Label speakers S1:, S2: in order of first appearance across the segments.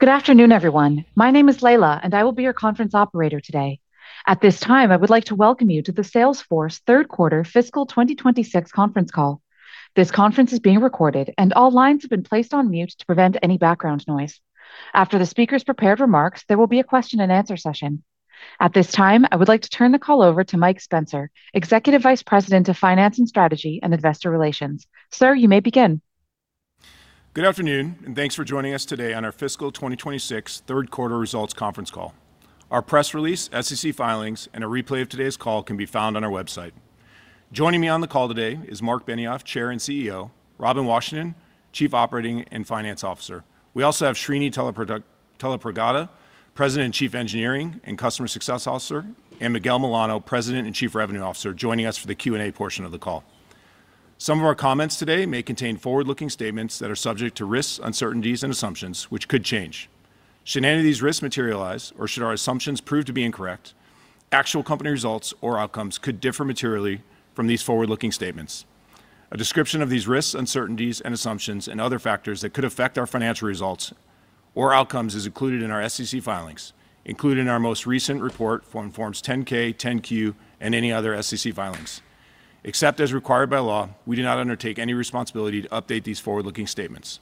S1: Good afternoon, everyone. My name is Leila, and I will be your conference operator today. At this time, I would like to welcome you to the Salesforce Third Quarter Fiscal 2026 conference call. This conference is being recorded, and all lines have been placed on mute to prevent any background noise. After the speakers prepare remarks, there will be a question-and-answer session. At this time, I would like to turn the call over to Mike Spencer, Executive Vice President of Finance and Strategy and Investor Relations. Sir, you may begin.
S2: Good afternoon, and thanks for joining us today on our Fiscal 2026 Third Quarter Results Conference Call. Our press release, SEC filings, and a replay of today's call can be found on our website. Joining me on the call today is Marc Benioff, Chair and CEO, Robin Washington, Chief Operating and Finance Officer. We also have Srini Tallapragada, President and Chief Engineering and Customer Success Officer, and Miguel Milano, President and Chief Revenue Officer, joining us for the Q&A portion of the call. Some of our comments today may contain forward-looking statements that are subject to risks, uncertainties, and assumptions, which could change. Should any of these risks materialize, or should our assumptions prove to be incorrect, actual company results or outcomes could differ materially from these forward-looking statements. A description of these risks, uncertainties, and assumptions, and other factors that could affect our financial results or outcomes is included in our SEC filings, included in our most recent report for Form 10-K, Form 10-Q, and any other SEC filings. Except as required by law, we do not undertake any responsibility to update these forward-looking statements.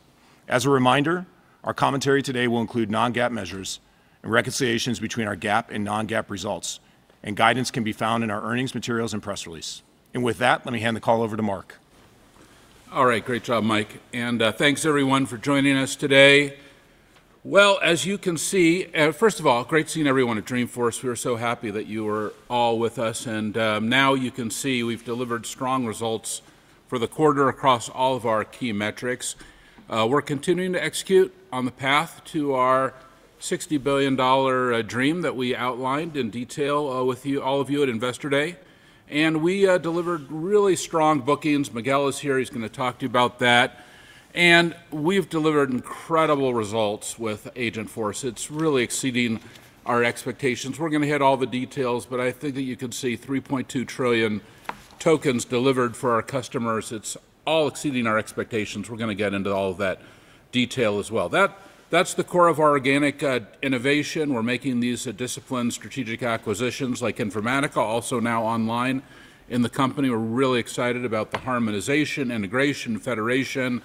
S2: As a reminder, our commentary today will include non-GAAP measures and reconciliations between our GAAP and non-GAAP results, and guidance can be found in our earnings materials and press release. And with that, let me hand the call over to Marc.
S3: All right, great job, Mike. And thanks, everyone, for joining us today. Well, as you can see, first of all, great seeing everyone at Dreamforce. We are so happy that you are all with us. And now you can see we've delivered strong results for the quarter across all of our key metrics. We're continuing to execute on the path to our $60 billion dream that we outlined in detail with all of you at Investor Day. And we delivered really strong bookings. Miguel is here. He's going to talk to you about that. And we've delivered incredible results with Agentforce. It's really exceeding our expectations. We're going to hit all the details, but I think that you can see 3.2 trillion tokens delivered for our customers. It's all exceeding our expectations. We're going to get into all of that detail as well. That's the core of our organic innovation. We're making these disciplined strategic acquisitions like Informatica, also now online in the company. We're really excited about the harmonization, integration, and federation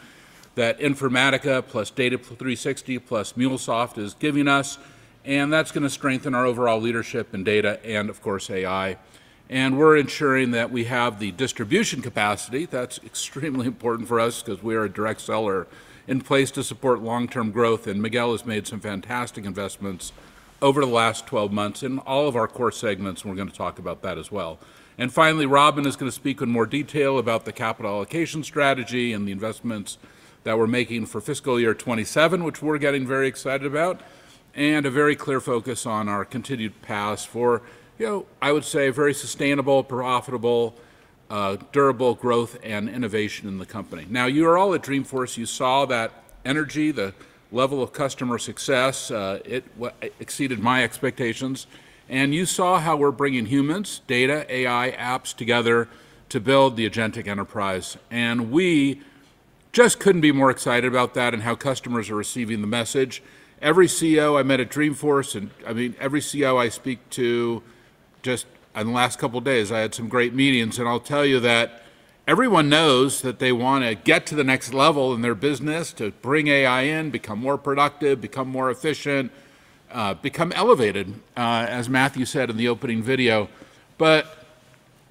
S3: that Informatica plus Data 360 plus MuleSoft is giving us. And that's going to strengthen our overall leadership in data and, of course, AI. And we're ensuring that we have the distribution capacity. That's extremely important for us because we are a direct seller in place to support long-term growth. And Miguel has made some fantastic investments over the last 12 months in all of our core segments, and we're going to talk about that as well. And finally, Robin is going to speak in more detail about the capital allocation strategy and the investments that we're making for fiscal year 27, which we're getting very excited about, and a very clear focus on our continued path for, I would say, very sustainable, profitable, durable growth and innovation in the company. Now, you are all at Dreamforce. You saw that energy, the level of customer success; it exceeded my expectations. And you saw how we're bringing humans, data, AI, apps together to build the Agentic Enterprise. And we just couldn't be more excited about that and how customers are receiving the message. Every CEO I met at Dreamforce, and I mean, every CEO I speak to just in the last couple of days, I had some great meetings. I'll tell you that everyone knows that they want to get to the next level in their business, to bring AI in, become more productive, become more efficient, become elevated, as Matthew said in the opening video. But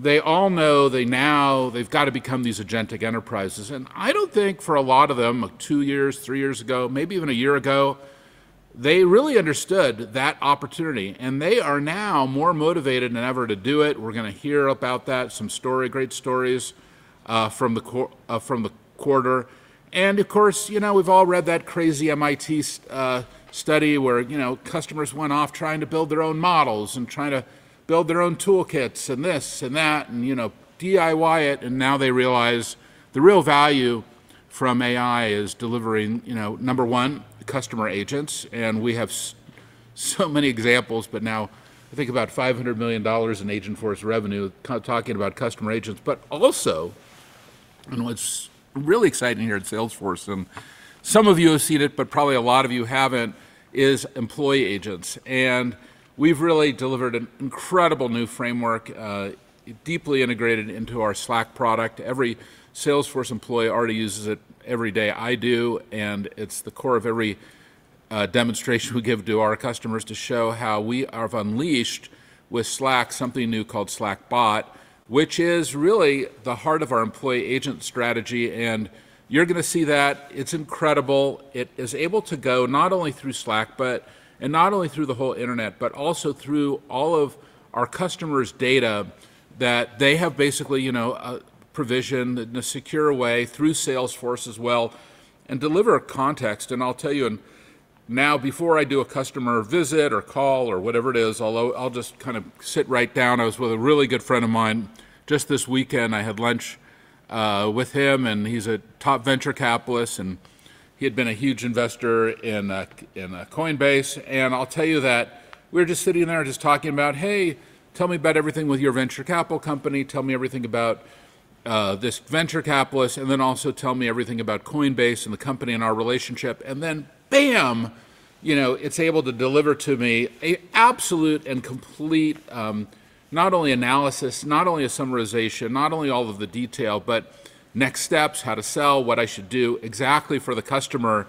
S3: they all know they now, they've got to become these Agentic Enterprises. And I don't think for a lot of them, two years, three years ago, maybe even a year ago, they really understood that opportunity. And they are now more motivated than ever to do it. We're going to hear about that, some great stories from the quarter. And of course, you know we've all read that crazy MIT study where customers went off trying to build their own models and trying to build their own toolkits and this and that and DIY it. And now they realize the real value from AI is delivering, number one, customer agents. We have so many examples, but now I think about $500 million in Agentforce revenue, talking about customer agents. Also, and what's really exciting here at Salesforce, and some of you have seen it, but probably a lot of you haven't, is employee agents. We've really delivered an incredible new framework, deeply integrated into our Slack product. Every Salesforce employee already uses it every day. I do. It's the core of every demonstration we give to our customers to show how we have unleashed with Slack something new called Slackbot, which is really the heart of our employee agent strategy. You're going to see that. It's incredible. It is able to go not only through Slack, and not only through the whole internet, but also through all of our customers' data that they have basically provisioned in a secure way through Salesforce as well and deliver a context. And I'll tell you, now, before I do a customer visit or call or whatever it is, I'll just kind of sit right down. I was with a really good friend of mine. Just this weekend, I had lunch with him, and he's a top venture capitalist. And he had been a huge investor in Coinbase. And I'll tell you that we were just sitting there just talking about, hey, tell me about everything with your venture capital company. Tell me everything about this venture capitalist. And then also tell me everything about Coinbase and the company and our relationship. And then bam, it's able to deliver to me an absolute and complete not only analysis, not only a summarization, not only all of the detail, but next steps, how to sell, what I should do exactly for the customer.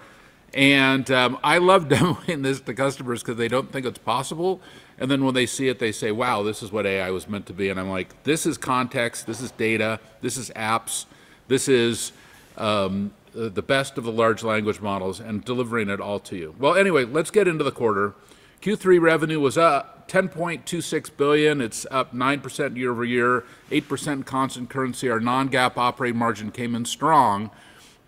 S3: And I love demoing this to customers because they don't think it's possible. And then when they see it, they say, wow, this is what AI was meant to be. And I'm like, this is context. This is data. This is apps. This is the best of the large language models and delivering it all to you. Well, anyway, let's get into the quarter. Q3 revenue was up $10.26 billion. It's up 9% year over year. 8% in constant currency. Our non-GAAP operating margin came in strong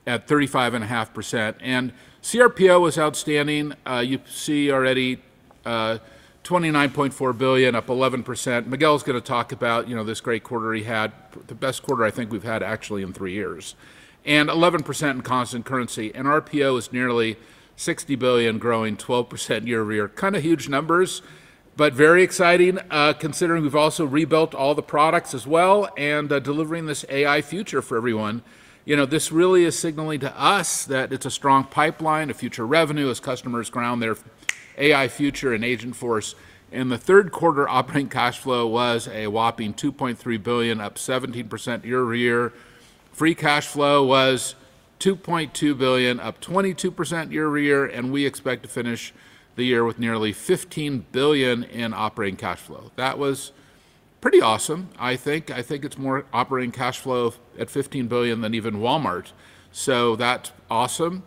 S3: at 35.5%. And cRPO was outstanding. You see already $29.4 billion, up 11%. Miguel is going to talk about this great quarter he had, the best quarter I think we've had actually in three years, and 11% in constant currency. And RPO is nearly $60 billion, growing 12% year over year. Kind of huge numbers, but very exciting, considering we've also rebuilt all the products as well and delivering this AI future for everyone. This really is signaling to us that it's a strong pipeline, a future revenue as customers ground their AI future in Agentforce. In the third quarter, operating cash flow was a whopping $2.3 billion, up 17% year over year. Free cash flow was $2.2 billion, up 22% year over year. And we expect to finish the year with nearly $15 billion in operating cash flow. That was pretty awesome, I think. I think it's more operating cash flow at $15 billion than even Walmart. So that's awesome.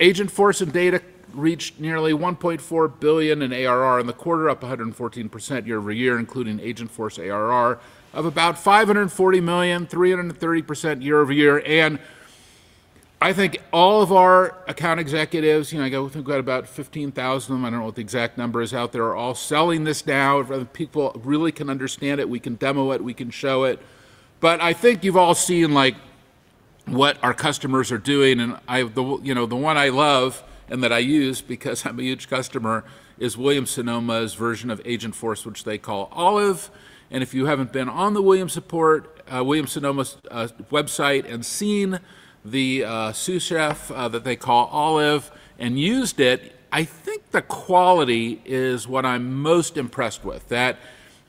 S3: Agentforce and data reached nearly $1.4 billion in ARR in the quarter, up 114% year over year, including Agentforce ARR of about $540 million, 330% year over year. I think all of our account executives, I think we've got about 15,000 of them. I don't know what the exact number is out there, are all selling this now. People really can understand it. We can demo it. We can show it. But I think you've all seen what our customers are doing. The one I love and that I use because I'm a huge customer is Williams-Sonoma's version of Agentforce, which they call Olive. If you haven't been on the Williams-Sonoma website and seen the sous-chef that they call Olive and used it, I think the quality is what I'm most impressed with, that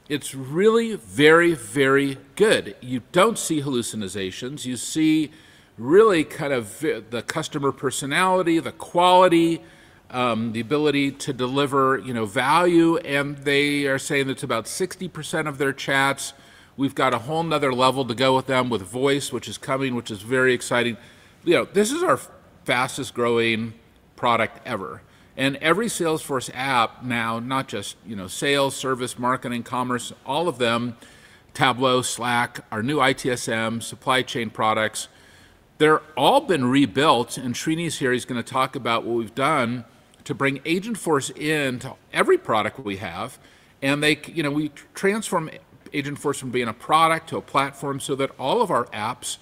S3: it's really very, very good. You don't see hallucinations. You see really kind of the customer personality, the quality, the ability to deliver value. And they are saying that's about 60% of their chats. We've got a whole nother level to go with them with voice, which is coming, which is very exciting. This is our fastest growing product ever. And every Salesforce app now, not just sales, service, marketing, commerce, all of them, Tableau, Slack, our new ITSM, supply chain products, they're all been rebuilt. And Srini here is going to talk about what we've done to bring Agentforce into every product we have. And we transform Agentforce from being a product to a platform so that all of our apps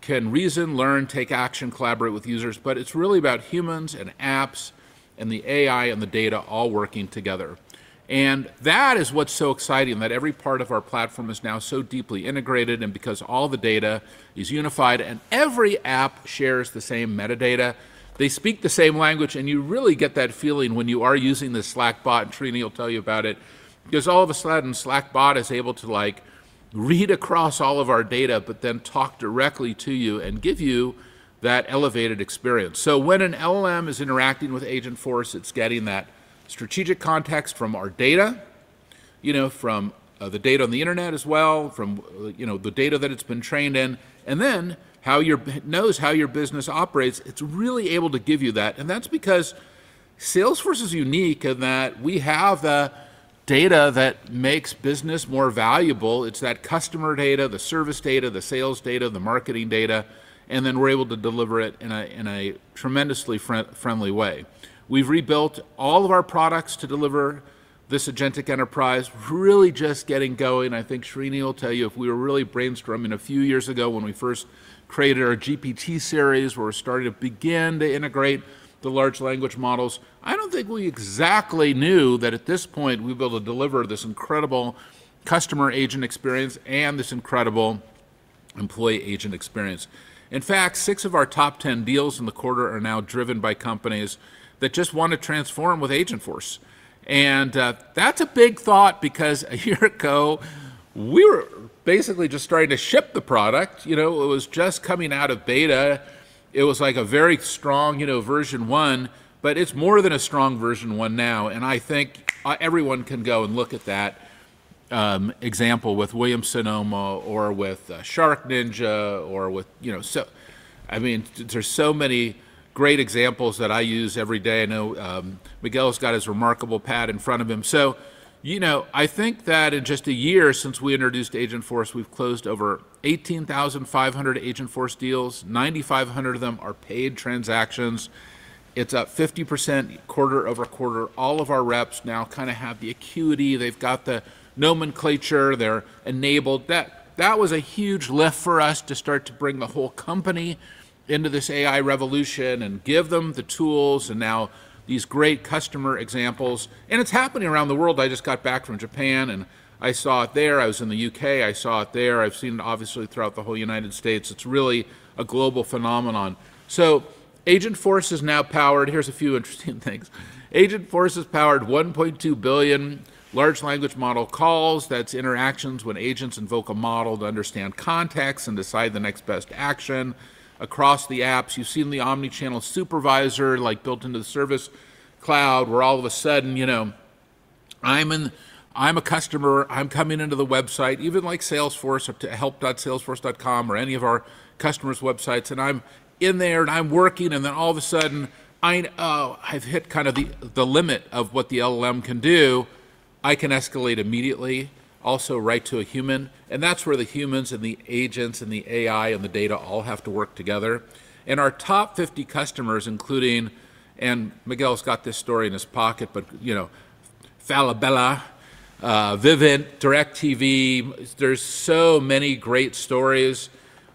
S3: can reason, learn, take action, collaborate with users. But it's really about humans and apps and the AI and the data all working together. And that is what's so exciting, that every part of our platform is now so deeply integrated. And because all the data is unified and every app shares the same metadata, they speak the same language. And you really get that feeling when you are using the Slackbot. And Srini will tell you about it because all of a sudden, Slackbot is able to read across all of our data, but then talk directly to you and give you that elevated experience. So when an LLM is interacting with Agentforce, it's getting that strategic context from our data, from the data on the internet as well, from the data that it's been trained in, and then how it knows how your business operates. It's really able to give you that. And that's because Salesforce is unique in that we have the data that makes business more valuable. It's that customer data, the service data, the sales data, the marketing data, and then we're able to deliver it in a tremendously friendly way. We've rebuilt all of our products to deliver this Agentic Enterprise, really just getting going. I think Srini will tell you if we were really brainstorming a few years ago when we first created our GPT series where we started to begin to integrate the large language models, I don't think we exactly knew that at this point we were able to deliver this incredible customer agent experience and this incredible employee agent experience. In fact, six of our top 10 deals in the quarter are now driven by companies that just want to transform with Agentforce. And that's a big deal because a year ago, we were basically just starting to ship the product. It was just coming out of beta. It was like a very strong version one, but it's more than a strong version one now. I think everyone can go and look at that example with Williams-Sonoma or with SharkNinja or with, I mean, there's so many great examples that I use every day. I know Miguel's got his reMarkable pad in front of him. I think that in just a year since we introduced Agentforce, we've closed over 18,500 Agentforce deals. 9,500 of them are paid transactions. It's up 50% quarter over quarter. All of our reps now kind of have the acuity. They've got the nomenclature. They're enabled. That was a huge lift for us to start to bring the whole company into this AI revolution and give them the tools and now these great customer examples. It's happening around the world. I just got back from Japan, and I saw it there. I was in the U.K.. I saw it there. I've seen it, obviously, throughout the whole United States. It's really a global phenomenon. Agentforce is now powered. Here's a few interesting things. Agentforce is powered 1.2 billion large language model calls. That's interactions when agents invoke a model to understand context and decide the next best action across the apps. You've seen the Omni-Channel Supervisor built into the Service Cloud where all of a sudden, I'm a customer. I'm coming into the website, even like Salesforce to help.salesforce.com or any of our customers' websites. And I'm in there, and I'm working. And then all of a sudden, I've hit kind of the limit of what the LLM can do. I can escalate immediately, also right to a human. And that's where the humans and the agents and the AI and the data all have to work together. And our top 50 customers, including and Miguel's got this story in his pocket, but Falabella, Vivint, DIRECTV. There's so many great stories.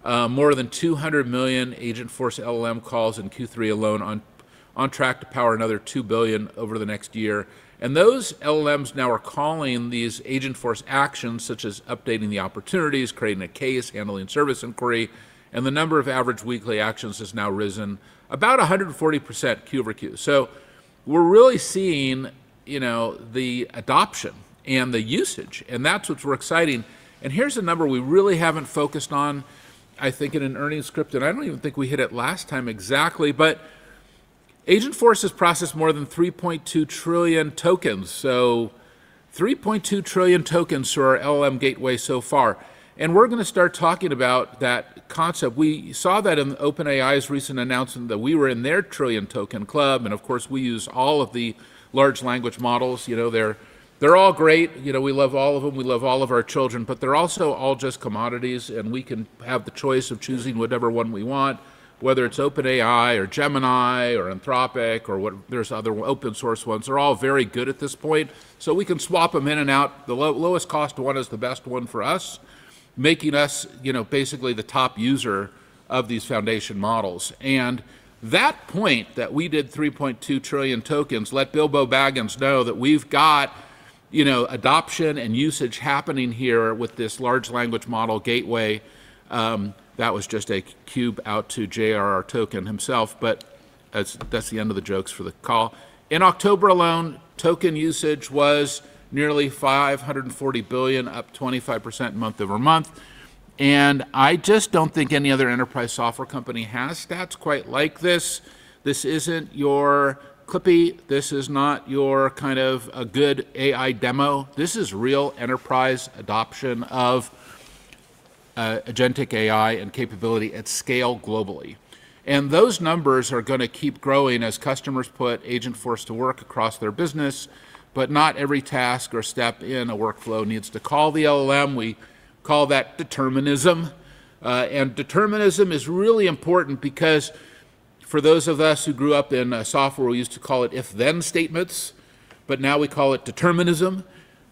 S3: More than 200 million Agentforce LLM calls in Q3 alone on track to power another 2 billion over the next year. And those LLMs now are calling these Agentforce actions, such as updating the opportunities, creating a case, handling service inquiry. And the number of average weekly actions has now risen about 140% Q over Q. So we're really seeing the adoption and the usage. And that's what's more exciting. And here's a number we really haven't focused on, I think, in an earnings script. And I don't even think we hit it last time exactly. But Agentforce has processed more than 3.2 trillion tokens. So, 3.2 trillion tokens through our LLM gateway so far. And we're going to start talking about that concept. We saw that in OpenAI's recent announcement that we were in their trillion token club. And of course, we use all of the large language models. They're all great. We love all of them. We love all of our children. But they're also all just commodities. And we can have the choice of choosing whatever one we want, whether it's OpenAI or Gemini or Anthropic or there's other open source ones. They're all very good at this point. So we can swap them in and out. The lowest cost one is the best one for us, making us basically the top user of these foundation models. And at that point, we did 3.2 trillion tokens [to] let Bilbo Baggins know that we've got adoption and usage happening here with this large language model gateway. That was just a shout-out to J.R.R. Tolkien himself. But that's the end of the jokes for the call. In October alone, token usage was nearly 540 billion, up 25% month over month. And I just don't think any other enterprise software company has stats quite like this. This isn't your Clippy. This is not your kind of a good AI demo. This is real enterprise adoption of agentic AI and capability at scale globally. And those numbers are going to keep growing as customers put Agentforce to work across their business. But not every task or step in a workflow needs to call the LLM. We call that determinism. Determinism is really important because for those of us who grew up in software, we used to call it if-then statements. Now we call it determinism.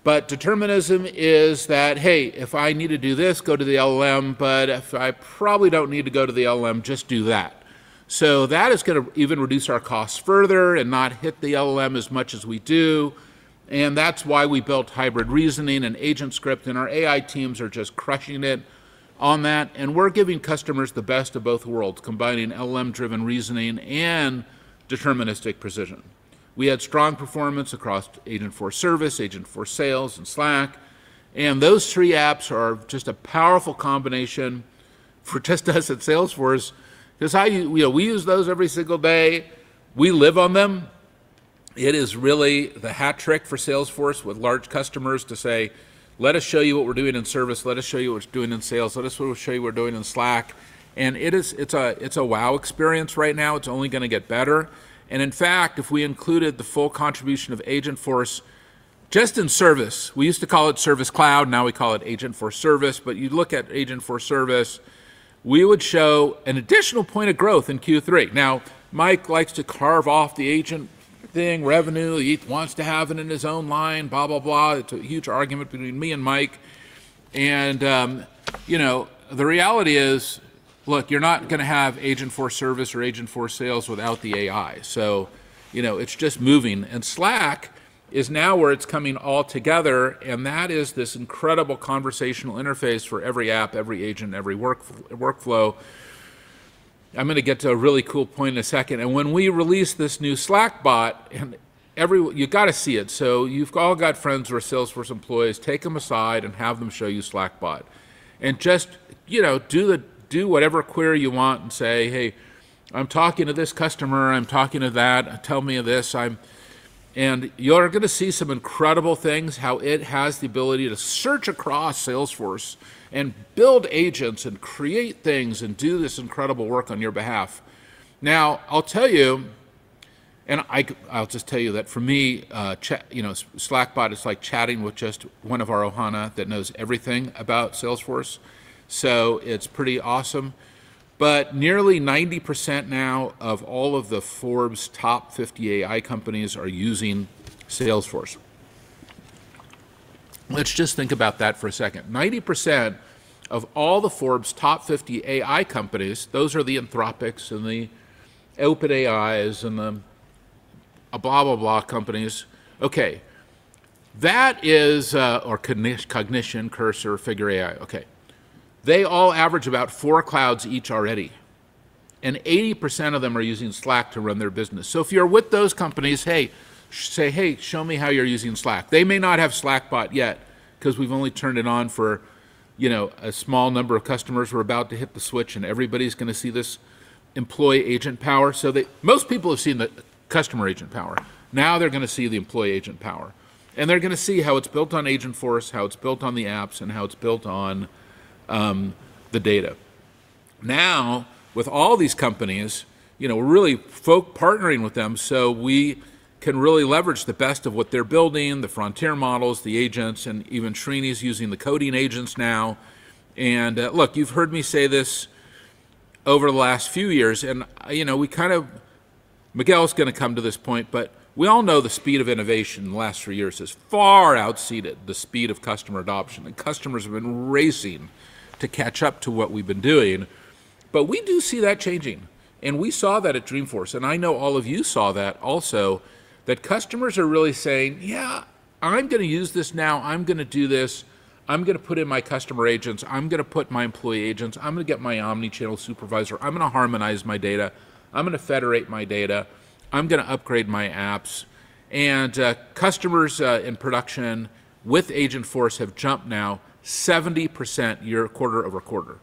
S3: Determinism is that, hey, if I need to do this, go to the LLM. If I probably don't need to go to the LLM, just do that. That is going to even reduce our costs further and not hit the LLM as much as we do. That's why we built hybrid reasoning and agent script. Our AI teams are just crushing it on that. We're giving customers the best of both worlds, combining LLM-driven reasoning and deterministic precision. We had strong performance across Agentforce Service, Agentforce Sales, and Slack. Those three apps are just a powerful combination for just us at Salesforce because we use those every single day. We live on them. It is really the hat trick for Salesforce with large customers to say, let us show you what we're doing in service. Let us show you what we're doing in sales. Let us show you what we're doing in Slack. And it's a wow experience right now. It's only going to get better. And in fact, if we included the full contribution of Agentforce just in service, we used to call it Service Cloud. Now we call it Agentforce Service. But you look at Agentforce Service, we would show an additional point of growth in Q3. Now, Mike likes to carve off the agent thing, revenue. He wants to have it in his own line, blah, blah, blah. It's a huge argument between me and Mike. And the reality is, look, you're not going to have Agentforce Service or Agentforce Sales without the AI. So it's just moving. And Slack is now where it's coming all together. And that is this incredible conversational interface for every app, every agent, every workflow. I'm going to get to a really cool point in a second. And when we release this new Slackbot, you've got to see it. So you've all got friends who are Salesforce employees. Take them aside and have them show you Slackbot. And just do whatever query you want and say, hey, I'm talking to this customer. I'm talking to that. Tell me this. And you're going to see some incredible things, how it has the ability to search across Salesforce and build agents and create things and do this incredible work on your behalf. Now, I'll tell you, and I'll just tell you that for me, Slackbot is like chatting with just one of our Ohana that knows everything about Salesforce. So it's pretty awesome. Nearly 90% now of all of the Forbes top 50 AI companies are using Salesforce. Let's just think about that for a second. 90% of all the Forbes top 50 AI companies, those are the Anthropic and the OpenAI and the blah, blah, blah companies. Okay. That is our Cognition, Cursor, Figure AI. Okay. They all average about four clouds each already. And 80% of them are using Slack to run their business. So if you're with those companies, hey, say, hey, show me how you're using Slack. They may not have Slackbot yet because we've only turned it on for a small number of customers. We're about to hit the switch, and everybody's going to see this employee agent power. So most people have seen the customer agent power. Now they're going to see the employee agent power. They're going to see how it's built on Agentforce, how it's built on the apps, and how it's built on the data. Now, with all these companies, we're really partnering with them so we can really leverage the best of what they're building, the frontier models, the agents. And even Srini's using the coding agents now. And look, you've heard me say this over the last few years. And we kind of, Miguel's going to come to this point, but we all know the speed of innovation in the last few years has far outpaced the speed of customer adoption. And customers have been racing to catch up to what we've been doing. But we do see that changing. And we saw that at Dreamforce. And I know all of you saw that also, that customers are really saying, yeah, I'm going to use this now. I'm going to do this. I'm going to put in my customer agents. I'm going to put my employee agents. I'm going to get my Omni-Channel Supervisor. I'm going to harmonize my data. I'm going to federate my data. I'm going to upgrade my apps, and customers in production with Agentforce have jumped now 70% year quarter over quarter.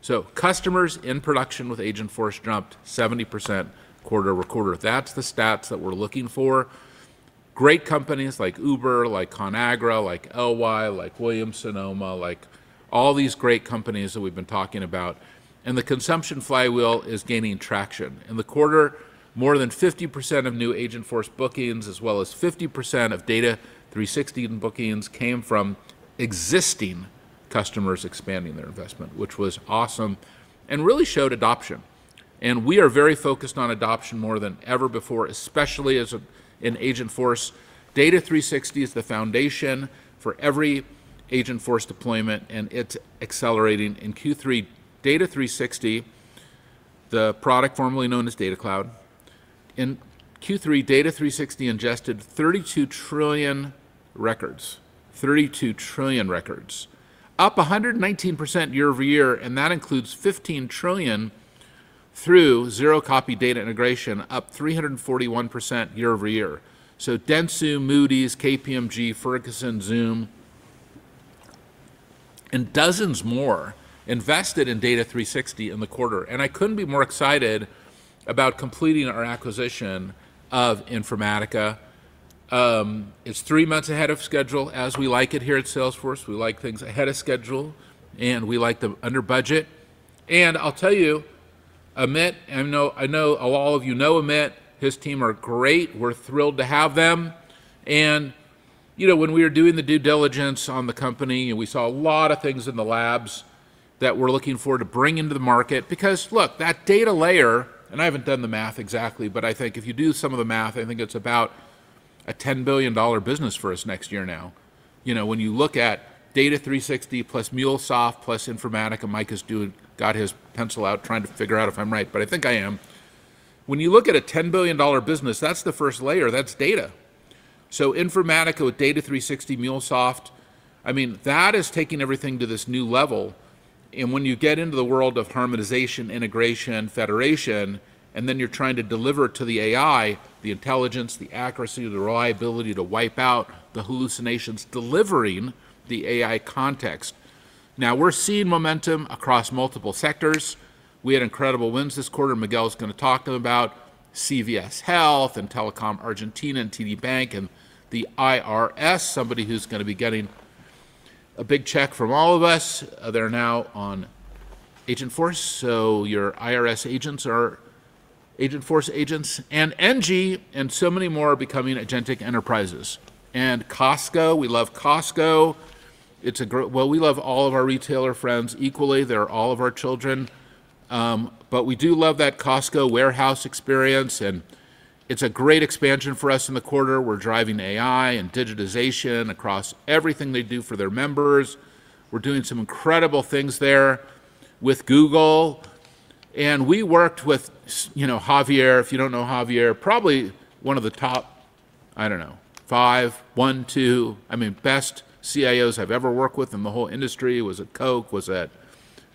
S3: So customers in production with Agentforce jumped 70% quarter over quarter. That's the stats that we're looking for. Great companies like Uber, like Conagra, like Engie, like Williams-Sonoma, like all these great companies that we've been talking about, and the Consumption Flywheel is gaining traction. In the quarter, more than 50% of new Agentforce bookings, as well as 50% of Data 360 bookings, came from existing customers expanding their investment, which was awesome and really showed adoption. We are very focused on adoption more than ever before, especially as in Agentforce. Data 360 is the foundation for every Agentforce deployment, and it's accelerating. In Q3, Data 360, the product formerly known as Data Cloud, in Q3, Data 360 ingested 32 trillion records, 32 trillion records, up 119% year over year. And that includes 15 trillion through zero-copy data integration, up 341% year over year. So Dentsu, Moody's, KPMG, Ferguson, Zoom, and dozens more invested in Data 360 in the quarter. And I couldn't be more excited about completing our acquisition of Informatica. It's three months ahead of schedule as we like it here at Salesforce. We like things ahead of schedule, and we like them under budget. And I'll tell you, Amit, I know all of you know Amit. His team are great. We're thrilled to have them. And when we were doing the due diligence on the company, we saw a lot of things in the labs that we're looking forward to bringing to the market. Because look, that data layer, and I haven't done the math exactly, but I think if you do some of the math, I think it's about a $10 billion business for us next year now. When you look at Data 360 plus MuleSoft plus Informatica, Mike has got his pencil out trying to figure out if I'm right, but I think I am. When you look at a $10 billion business, that's the first layer. That's data. So Informatica with Data 360, MuleSoft, I mean, that is taking everything to this new level. And when you get into the world of harmonization, integration, federation, and then you're trying to deliver to the AI, the intelligence, the accuracy, the reliability to wipe out the hallucinations, delivering the AI context. Now, we're seeing momentum across multiple sectors. We had incredible wins this quarter. Miguel's going to talk about CVS Health and Telecom Argentina and TD Bank and the IRS, somebody who's going to be getting a big check from all of us. They're now on Agentforce. So your IRS agents are Agentforce agents. And Engie and so many more are becoming Agentic Enterprises. And Costco, we love Costco. Well, we love all of our retailer friends equally. They're all of our children. But we do love that Costco warehouse experience. And it's a great expansion for us in the quarter. We're driving AI and digitization across everything they do for their members. We're doing some incredible things there with Google, and we worked with Javier, if you don't know Javier, probably one of the top, I don't know, five, one, two, I mean, best CIOs I've ever worked with in the whole industry. Was it Coke? Was it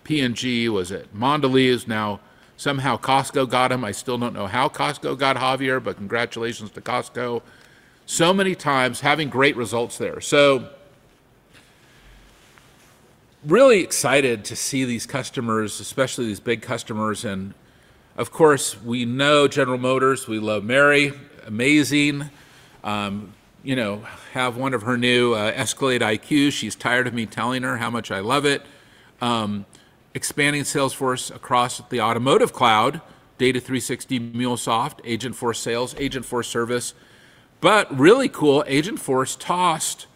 S3: P&G? Was it Mondelez? Now, somehow Costco got him. I still don't know how Costco got Javier, but congratulations to Costco. So many times having great results there, so really excited to see these customers, especially these big customers, and of course, we know General Motors. We love Mary, amazing. Have one of her new Escalade IQ. She's tired of me telling her how much I love it. Expanding Salesforce across the Automotive Cloud, Data 360, MuleSoft, Agentforce Sales, Agentforce Service. But really cool, Agentforce plus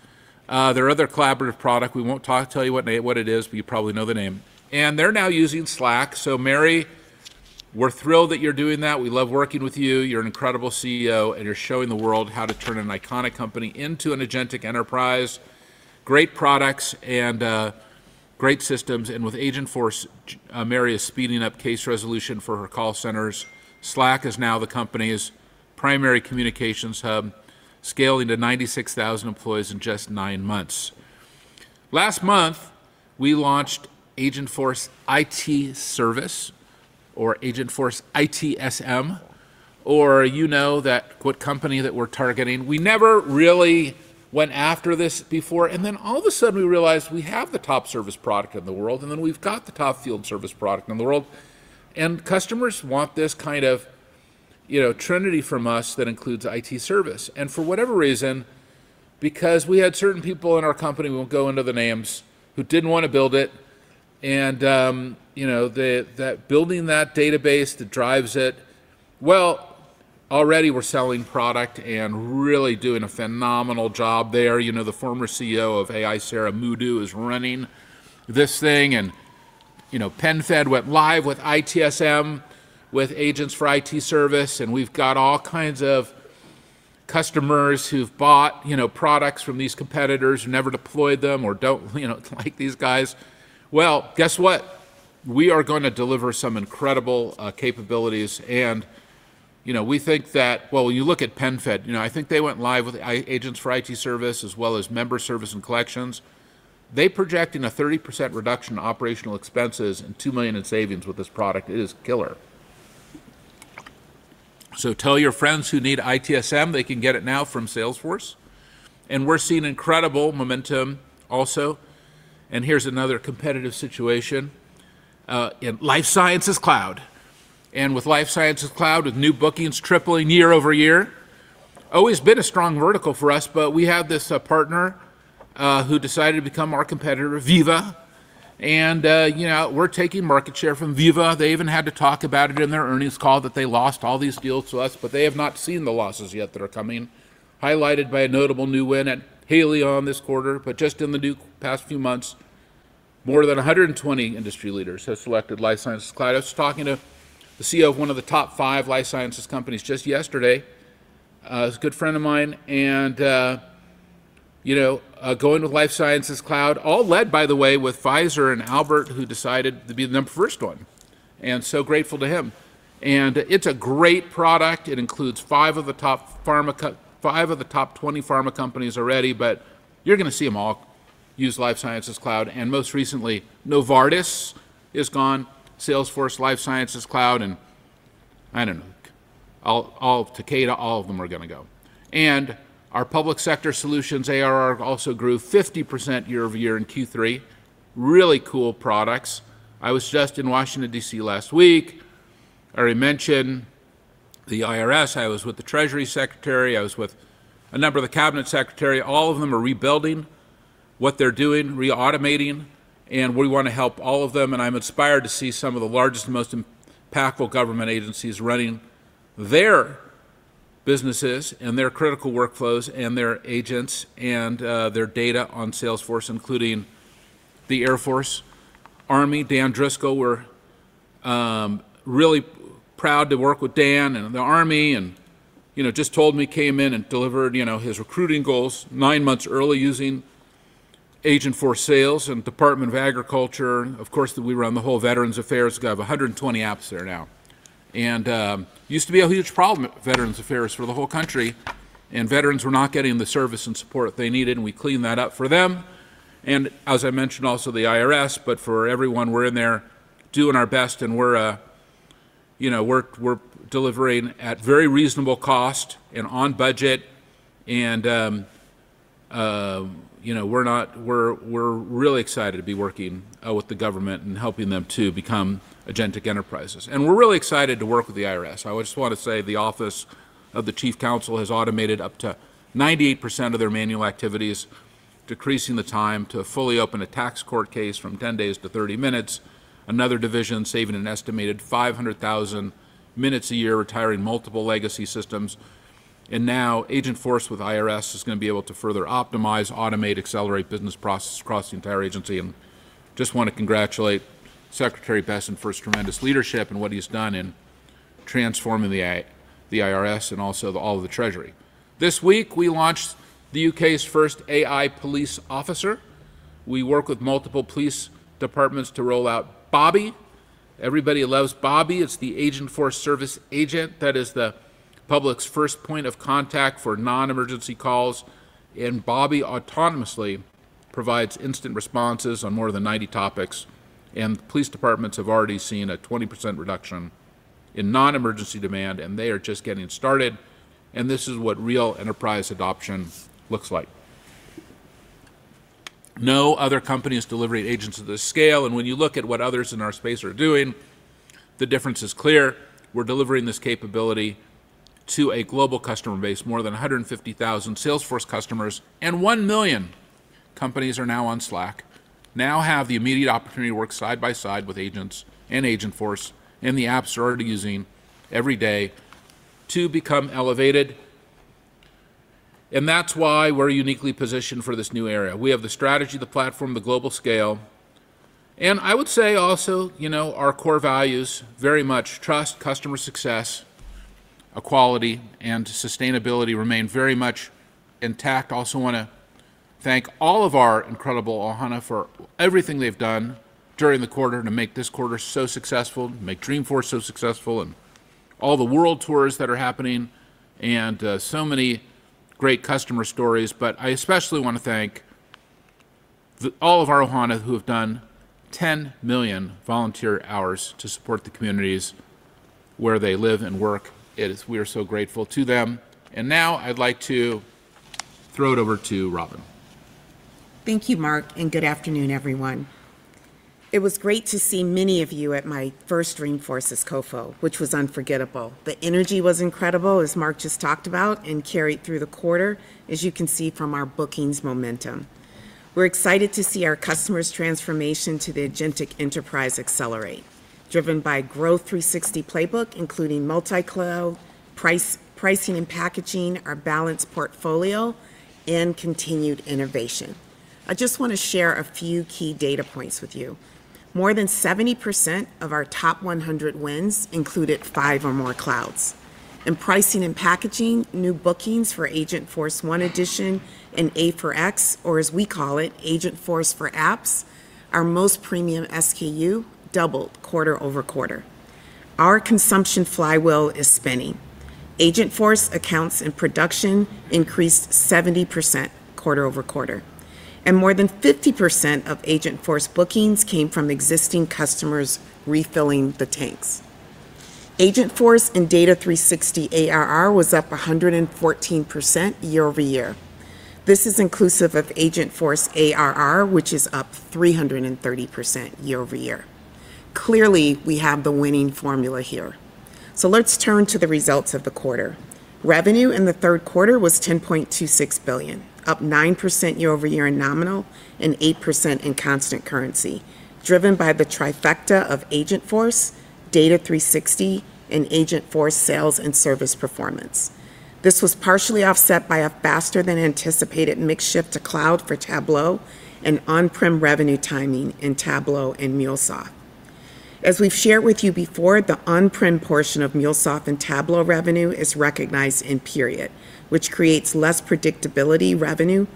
S3: their other collaborative product. We won't tell you what it is, but you probably know the name. They're now using Slack. Mary, we're thrilled that you're doing that. We love working with you. You're an incredible CEO, and you're showing the world how to turn an iconic company into an Agentic Enterprise. Great products and great systems. With Agentforce, Mary is speeding up case resolution for her call centers. Slack is now the company's primary communications hub, scaling to 96,000 employees in just nine months. Last month, we launched Agentforce IT Service or Agentforce ITSM, or you know that company that we're targeting. We never really went after this before. All of a sudden, we realized we have the top service product in the world. We've got the top field service product in the world. Customers want this kind of trinity from us that includes IT service. For whatever reason, because we had certain people in our company, we won't go into the names, who didn't want to build it. Building that database that drives it, well, already we're selling product and really doing a phenomenal job there. The former CEO of AI, [Sarah Muduo], is running this thing. PenFed went live with ITSM, with agents for IT service. We've got all kinds of customers who've bought products from these competitors, never deployed them, or don't like these guys. Well, guess what? We are going to deliver some incredible capabilities. We think that, well, when you look at PenFed, I think they went live with agents for IT service as well as member service and collections. They're projecting a 30% reduction in operational expenses and $2 million in savings with this product. It is killer. So tell your friends who need ITSM. They can get it now from Salesforce. And we're seeing incredible momentum also. And here's another competitive situation. And Life Sciences Cloud. And with Life Sciences Cloud, with new bookings tripling year over year, always been a strong vertical for us, but we have this partner who decided to become our competitor, Veeva. And we're taking market share from Veeva. They even had to talk about it in their earnings call that they lost all these deals to us, but they have not seen the losses yet that are coming, highlighted by a notable new win at Haleon this quarter. But just in the past few months, more than 120 industry leaders have selected Life Sciences Cloud. I was talking to the CEO of one of the top five life sciences companies just yesterday. He's a good friend of mine. Going to Life Sciences Cloud, all led, by the way, with Pfizer and Albert, who decided to be the first one. I am so grateful to him. It is a great product. It includes five of the top 20 pharma companies already, but you are going to see them all use Life Sciences Cloud. Most recently, Novartis has gone live with Salesforce Life Sciences Cloud, and I do not know. Takeda, all of them are going to go. Our Public Sector Solutions ARR also grew 50% year over year in Q3. Really cool products. I was just in Washington, D.C., last week. I already mentioned the IRS. I was with the Treasury Secretary. I was with a number of Cabinet Secretaries. All of them are rebuilding what they are doing, re-automating. We want to help all of them. And I'm inspired to see some of the largest and most impactful government agencies running their businesses and their critical workflows and their agents and their data on Salesforce, including the Air Force, Army. Dan Driscoll, we're really proud to work with Dan and the Army. And just told me he came in and delivered his recruiting goals nine months early using Agentforce Sales and Department of Agriculture. Of course, we run the whole Veterans Affairs. We have 120 apps there now. And it used to be a huge problem, Veterans Affairs, for the whole country. And veterans were not getting the service and support they needed. And we cleaned that up for them. And as I mentioned, also the IRS. But for everyone, we're in there doing our best. And we're delivering at very reasonable cost and on budget. And we're really excited to be working with the government and helping them to become Agentic Enterprises. And we're really excited to work with the IRS. I just want to say the Office of the Chief Counsel has automated up to 98% of their manual activities, decreasing the time to fully open a tax court case from 10 days to 30 minutes. Another division saving an estimated 500,000 minutes a year, retiring multiple legacy systems. And now Agentforce with IRS is going to be able to further optimize, automate, accelerate business processes across the entire agency. And just want to congratulate Secretary Bessent for his tremendous leadership and what he's done in transforming the IRS and also all of the Treasury. This week, we launched the U.K.'s first AI police officer. We work with multiple police departments to roll out Bobby. Everybody loves Bobby. It's the Agentforce service agent that is the public's first point of contact for non-emergency calls, and Bobby autonomously provides instant responses on more than 90 topics, and police departments have already seen a 20% reduction in non-emergency demand, and they are just getting started, and this is what real enterprise adoption looks like. No other company is delivering agents at this scale, and when you look at what others in our space are doing, the difference is clear. We're delivering this capability to a global customer base, more than 150,000 Salesforce customers, and one million companies are now on Slack, now have the immediate opportunity to work side by side with agents and Agentforce, and the apps are already using every day to become elevated, and that's why we're uniquely positioned for this new era. We have the strategy, the platform, the global scale. I would say also our core values very much trust, customer success, equality, and sustainability remain very much intact. I also want to thank all of our incredible Ohana for everything they've done during the quarter to make this quarter so successful, make Dreamforce so successful, and all the world tours that are happening, and so many great customer stories. But I especially want to thank all of our Ohana who have done 10 million volunteer hours to support the communities where they live and work. We are so grateful to them. Now I'd like to throw it over to Robin.
S4: Thank you, Marc, and good afternoon, everyone. It was great to see many of you at my first Dreamforce CFO, which was unforgettable. The energy was incredible, as Marc just talked about, and carried through the quarter, as you can see from our bookings momentum. We're excited to see our customers' transformation to the Agentic Enterprise accelerate, driven by Growth 360 playbook, including multi-cloud, pricing and packaging, our balanced portfolio, and continued innovation. I just want to share a few key data points with you. More than 70% of our top 100 wins included five or more clouds. In pricing and packaging, new bookings for Agentforce One Edition and A for X, or as we call it, Agentforce for Apps, our most premium SKU doubled quarter over quarter. Our consumption flywheel is spinning. Agentforce accounts in production increased 70% quarter over quarter. And more than 50% of Agentforce bookings came from existing customers refilling the tanks. Agentforce and Data 360 ARR was up 114% year over year. This is inclusive of Agentforce ARR, which is up 330% year over year. Clearly, we have the winning formula here. Let's turn to the results of the quarter. Revenue in the third quarter was $10.26 billion, up 9% year over year in nominal and 8% in constant currency, driven by the trifecta of Agentforce, Data 360, and Agentforce sales and service performance. This was partially offset by a faster-than-anticipated migration to cloud for Tableau and on-prem revenue timing in Tableau and MuleSoft. As we've shared with you before, the on-prem portion of MuleSoft and Tableau revenue is recognized in period, which creates less predictability revenue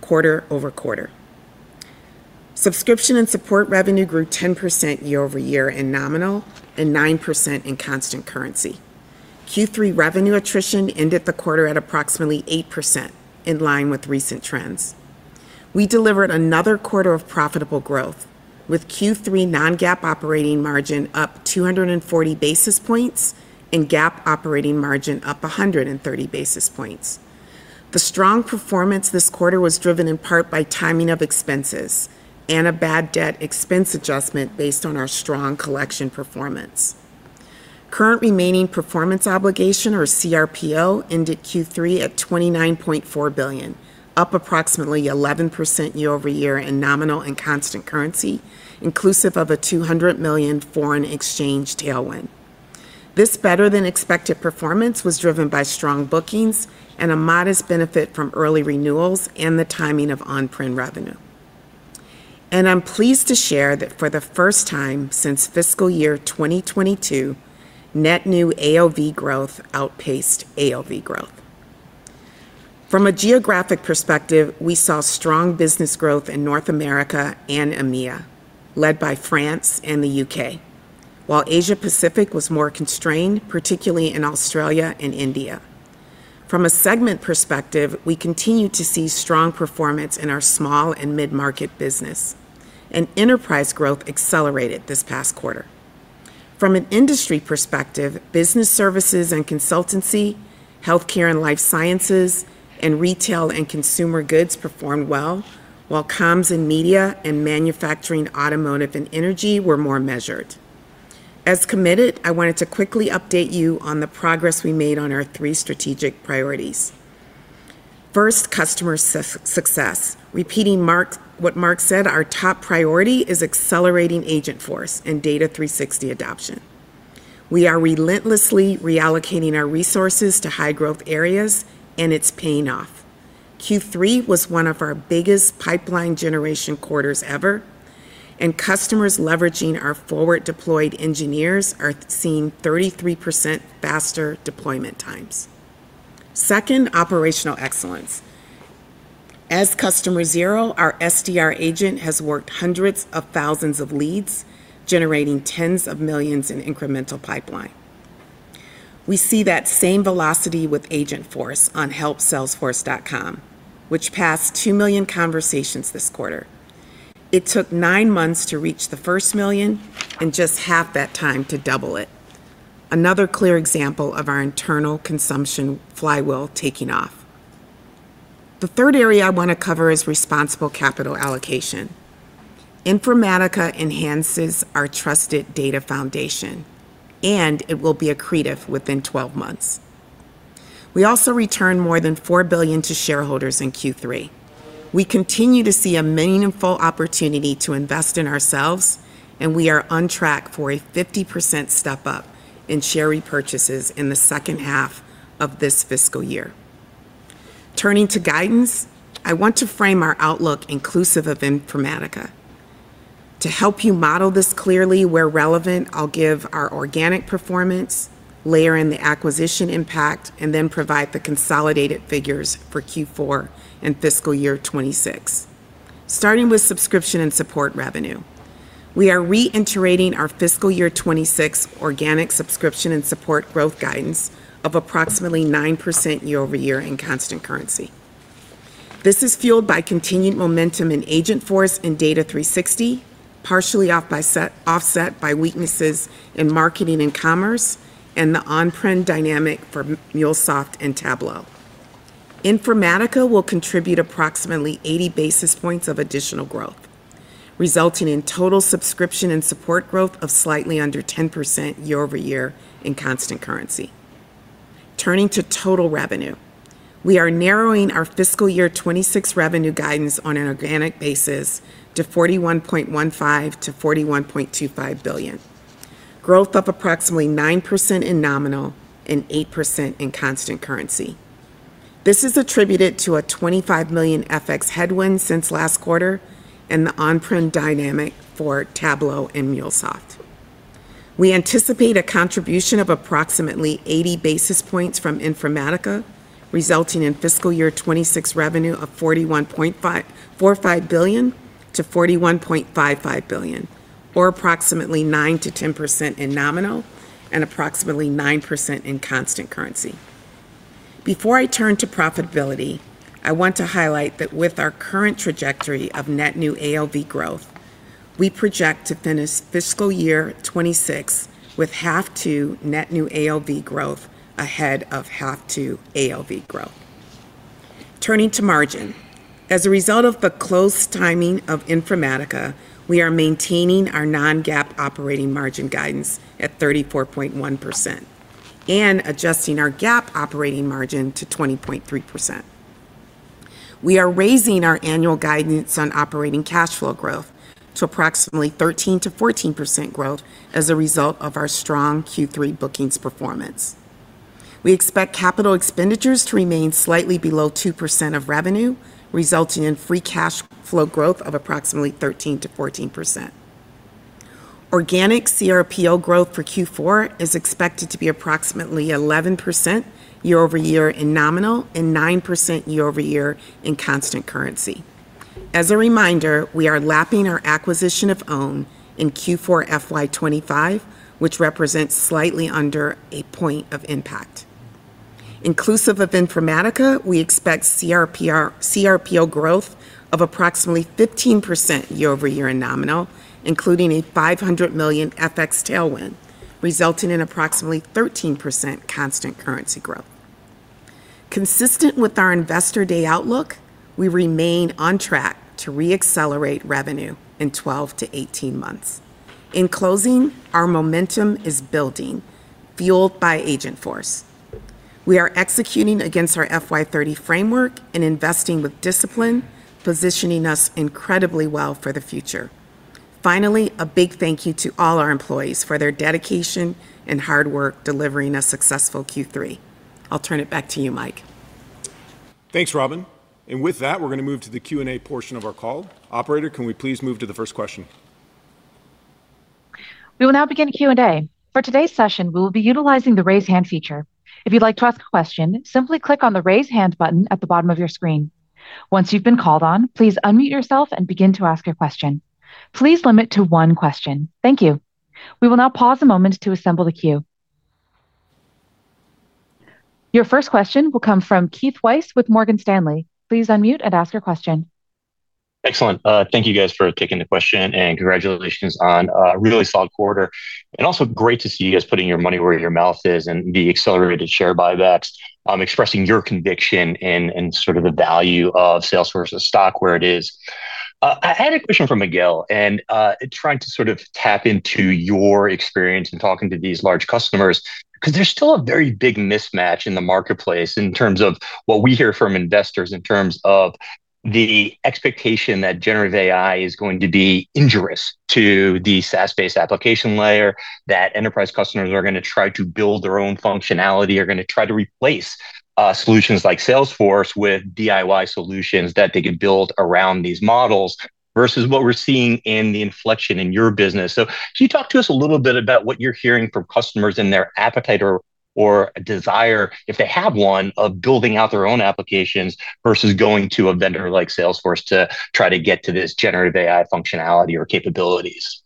S4: quarter over quarter. Subscription and support revenue grew 10% year over year in nominal and 9% in constant currency. Q3 revenue attrition ended the quarter at approximately 8%, in line with recent trends. We delivered another quarter of profitable growth, with Q3 non-GAAP operating margin up 240 basis points and GAAP operating margin up 130 basis points. The strong performance this quarter was driven in part by timing of expenses and a bad debt expense adjustment based on our strong collection performance. Current remaining performance obligation, or cRPO, ended Q3 at $29.4 billion, up approximately 11% year over year in nominal and constant currency, inclusive of a $200 million foreign exchange tailwind. This better-than-expected performance was driven by strong bookings and a modest benefit from early renewals and the timing of on-prem revenue. And I'm pleased to share that for the first time since fiscal year 2022, net new AOV growth outpaced AOV growth. From a geographic perspective, we saw strong business growth in North America and EMEA, led by France and the U.K., while Asia-Pacific was more constrained, particularly in Australia and India. From a segment perspective, we continue to see strong performance in our small and mid-market business. And enterprise growth accelerated this past quarter. From an industry perspective, Business Services and Consultancy, Healthcare and Life Sciences, and Retail and Consumer Goods performed well, while Comms and Media and Manufacturing, Automotive, and Energy were more measured. As committed, I wanted to quickly update you on the progress we made on our three strategic priorities. First, customer success. Repeating what Marc said, our top priority is accelerating Agentforce and Data 360 adoption. We are relentlessly reallocating our resources to high-growth areas, and it's paying off. Q3 was one of our biggest pipeline generation quarters ever, and customers leveraging our forward-deployed engineers are seeing 33% faster deployment times. Second, operational excellence. As customer zero, our SDR Agent has worked hundreds of thousands of leads, generating tens of millions in incremental pipeline. We see that same velocity with Agentforce on help.salesforce.com, which passed two million conversations this quarter. It took nine months to reach the first $1 million and just half that time to double it. Another clear example of our internal consumption flywheel taking off. The third area I want to cover is responsible capital allocation. Informatica enhances our trusted data foundation, and it will be accretive within 12 months. We also returned more than $4 billion to shareholders in Q3. We continue to see a meaningful opportunity to invest in ourselves, and we are on track for a 50% step-up in share repurchases in the second half of this fiscal year. Turning to guidance, I want to frame our outlook inclusive of Informatica. To help you model this clearly where relevant, I'll give our organic performance, layer in the acquisition impact, and then provide the consolidated figures for Q4 and fiscal year 2026. Starting with subscription and support revenue, we are reiterating our fiscal year 26 organic subscription and support growth guidance of approximately 9% year over year in constant currency. This is fueled by continued momentum in Agentforce and Data 360, partially offset by weaknesses in marketing and commerce, and the on-prem dynamic for MuleSoft and Tableau. Informatica will contribute approximately 80 basis points of additional growth, resulting in total subscription and support growth of slightly under 10% year over year in constant currency. Turning to total revenue, we are narrowing our fiscal year 26 revenue guidance on an organic basis to $41.15-$41.25 billion, growth of approximately 9% in nominal and 8% in constant currency. This is attributed to a $25 million FX headwind since last quarter and the on-prem dynamic for Tableau and MuleSoft. We anticipate a contribution of approximately 80 basis points from Informatica, resulting in fiscal year 26 revenue of $41.45 billion-$41.55 billion, or approximately 9%-10% in nominal and approximately 9% in constant currency. Before I turn to profitability, I want to highlight that with our current trajectory of net new AOV growth, we project to finish fiscal year 26 with H2 net new AOV growth ahead of H2 AOV growth. Turning to margin. As a result of the close timing of Informatica, we are maintaining our non-GAAP operating margin guidance at 34.1% and adjusting our GAAP operating margin to 20.3%. We are raising our annual guidance on operating cash flow growth to approximately 13%-14% growth as a result of our strong Q3 bookings performance. We expect capital expenditures to remain slightly below 2% of revenue, resulting in free cash flow growth of approximately 13%-14%. Organic cRPO growth for Q4 is expected to be approximately 11% year over year in nominal and 9% year over year in constant currency. As a reminder, we are lapping our acquisition of Own in Q4 FY25, which represents slightly under a point of impact. Inclusive of Informatica, we expect cRPO growth of approximately 15% year over year in nominal, including a $500 million FX tailwind, resulting in approximately 13% constant currency growth. Consistent with our investor day outlook, we remain on track to re-accelerate revenue in 12-18 months. In closing, our momentum is building, fueled by Agentforce. We are executing against our FY30 framework and investing with discipline, positioning us incredibly well for the future. Finally, a big thank you to all our employees for their dedication and hard work delivering a successful Q3. I'll turn it back to you, Mike.
S2: Thanks, Robin. And with that, we're going to move to the Q&A portion of our call. Operator, can we please move to the first question?
S1: We will now begin Q&A. For today's session, we will be utilizing the raise hand feature. If you'd like to ask a question, simply click on the raise hand button at the bottom of your screen. Once you've been called on, please unmute yourself and begin to ask your question. Please limit to one question. Thank you. We will now pause a moment to assemble the queue. Your first question will come from Keith Weiss with Morgan Stanley. Please unmute and ask your question.
S5: Excellent. Thank you, guys, for taking the question and congratulations on a really solid quarter. Also great to see you guys putting your money where your mouth is and the accelerated share buybacks, expressing your conviction and sort of the value of Salesforce as a stock where it is. I had a question from Miguel, and trying to sort of tap into your experience in talking to these large customers, because there's still a very big mismatch in the marketplace in terms of what we hear from investors in terms of the expectation that generative AI is going to be injurious to the SaaS-based application layer, that enterprise customers are going to try to build their own functionality, are going to try to replace solutions like Salesforce with DIY solutions that they can build around these models versus what we're seeing in the inflection in your business. So can you talk to us a little bit about what you're hearing from customers and their appetite or desire, if they have one, of building out their own applications versus going to a vendor like Salesforce to try to get to this generative AI functionality or capabilities?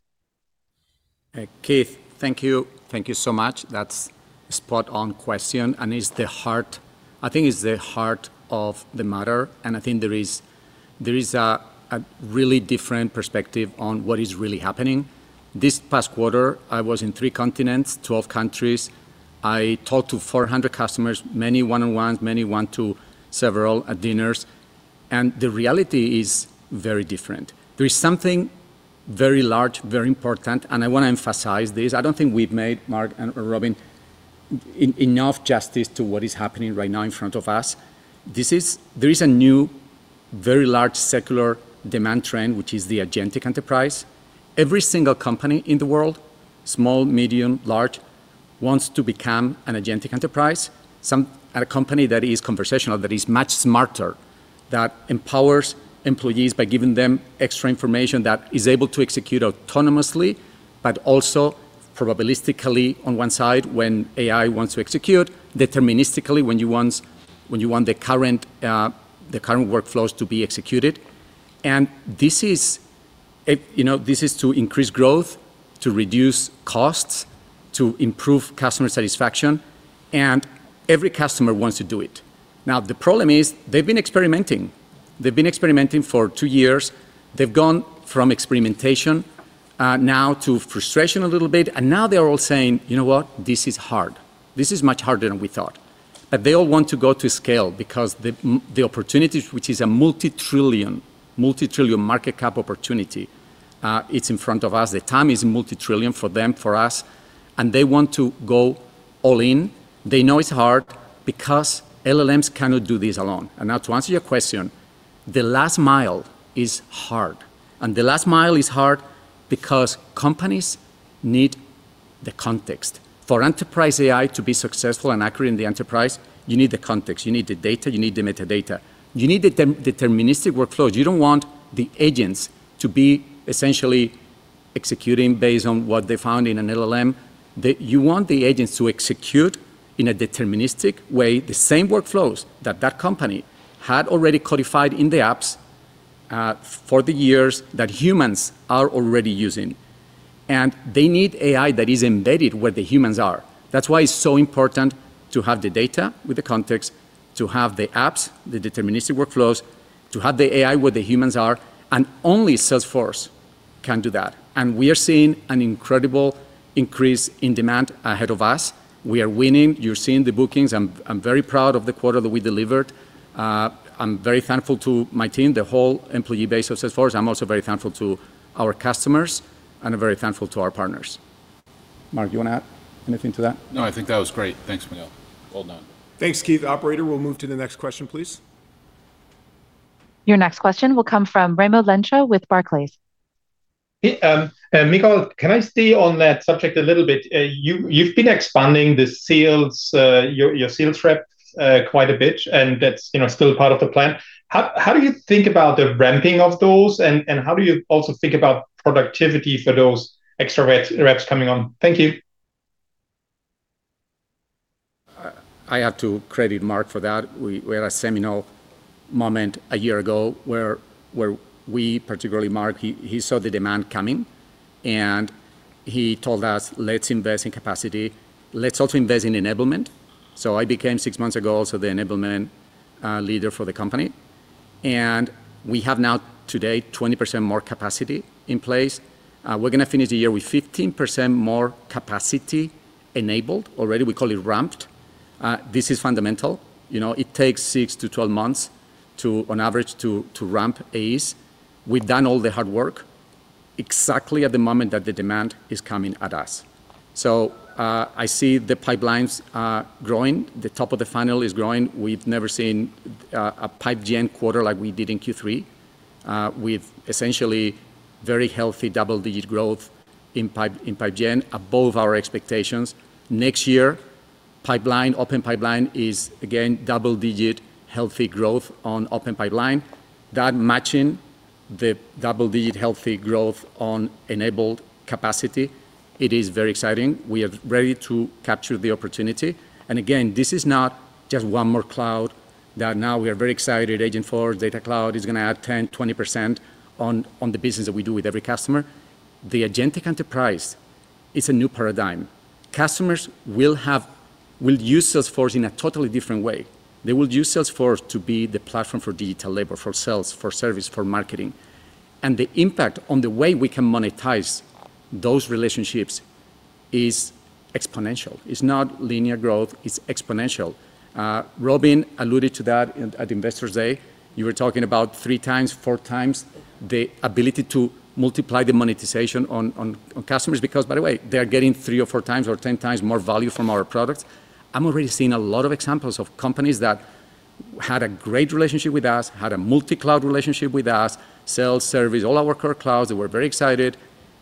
S6: Keith, thank you. Thank you so much. That's a spot-on question. And it's the heart. I think it's the heart of the matter. I think there is a really different perspective on what is really happening. This past quarter, I was in three continents, 12 countries. I talked to 400 customers, many one-on-ones, many one-to-several at dinners. The reality is very different. There is something very large, very important, and I want to emphasize this. I don't think we've made, Marc and Robin, enough justice to what is happening right now in front of us. There is a new, very large secular demand trend, which is the Agentic Enterprise. Every single company in the world, small, medium, large, wants to become an Agentic Enterprise, a company that is conversational, that is much smarter, that empowers employees by giving them extra information that is able to execute autonomously, but also probabilistically on one side when AI wants to execute, deterministically when you want the current workflows to be executed. And this is to increase growth, to reduce costs, to improve customer satisfaction. And every customer wants to do it. Now, the problem is they've been experimenting. They've been experimenting for two years. They've gone from experimentation now to frustration a little bit. And now they're all saying, you know what? This is hard. This is much harder than we thought. But they all want to go to scale because the opportunity, which is a multi-trillion market cap opportunity, is in front of us. The time is multi-trillion for them, for us. They want to go all in. They know it's hard because LLMs cannot do this alone. Now to answer your question, the last mile is hard. The last mile is hard because companies need the context. For enterprise AI to be successful and accurate in the enterprise, you need the context. You need the data. You need the metadata. You need the deterministic workflows. You don't want the agents to be essentially executing based on what they found in an LLM. You want the agents to execute in a deterministic way the same workflows that that company had already codified in the apps for the years that humans are already using. They need AI that is embedded where the humans are. That's why it's so important to have the data with the context, to have the apps, the deterministic workflows, to have the AI where the humans are. And only Salesforce can do that. And we are seeing an incredible increase in demand ahead of us. We are winning. You're seeing the bookings. I'm very proud of the quarter that we delivered. I'm very thankful to my team, the whole employee base of Salesforce. I'm also very thankful to our customers, and I'm very thankful to our partners.
S2: Marc, you want to add anything to that? No, I think that was great. Thanks, Miguel. Well done. Thanks, Keith. Operator, we'll move to the next question, please.
S1: Your next question will come from Raimo Lenschow with Barclays.
S7: Miguel, can I stay on that subject a little bit? You've been expanding your sales rep quite a bit, and that's still part of the plan. How do you think about the ramping of those, and how do you also think about productivity for those extra reps coming on? Thank you.
S6: I have to credit Marc for that. We had a seminal moment a year ago where we, particularly Marc, he saw the demand coming, and he told us, let's invest in capacity. Let's also invest in enablement. So I became six months ago also the enablement leader for the company. And we have now today 20% more capacity in place. We're going to finish the year with 15% more capacity enabled already. We call it ramped. This is fundamental. It takes six to 12 months to, on average, to ramp AEs. We've done all the hard work exactly at the moment that the demand is coming at us. I see the pipelines growing. The top of the funnel is growing. We've never seen a PipeGen quarter like we did in Q3 with essentially very healthy double-digit growth in PipeGen above our expectations. Next year, open pipeline is, again, double-digit healthy growth on open pipeline. That matching the double-digit healthy growth on enabled capacity, it is very exciting. We are ready to capture the opportunity. And again, this is not just one more cloud that now we are very excited. Agentforce, Data Cloud is going to add 10%-20% on the business that we do with every customer. The Agentic Enterprise is a new paradigm. Customers will use Salesforce in a totally different way. They will use Salesforce to be the platform for digital labor, for sales, for service, for marketing. And the impact on the way we can monetize those relationships is exponential. It's not linear growth. It's exponential. Robin alluded to that at Investors Day. You were talking about three times, four times the ability to multiply the monetization on customers because, by the way, they are getting three or four times or ten times more value from our products. I'm already seeing a lot of examples of companies that had a great relationship with us, had a multi-cloud relationship with us, sales service, all our core clouds. They were very excited.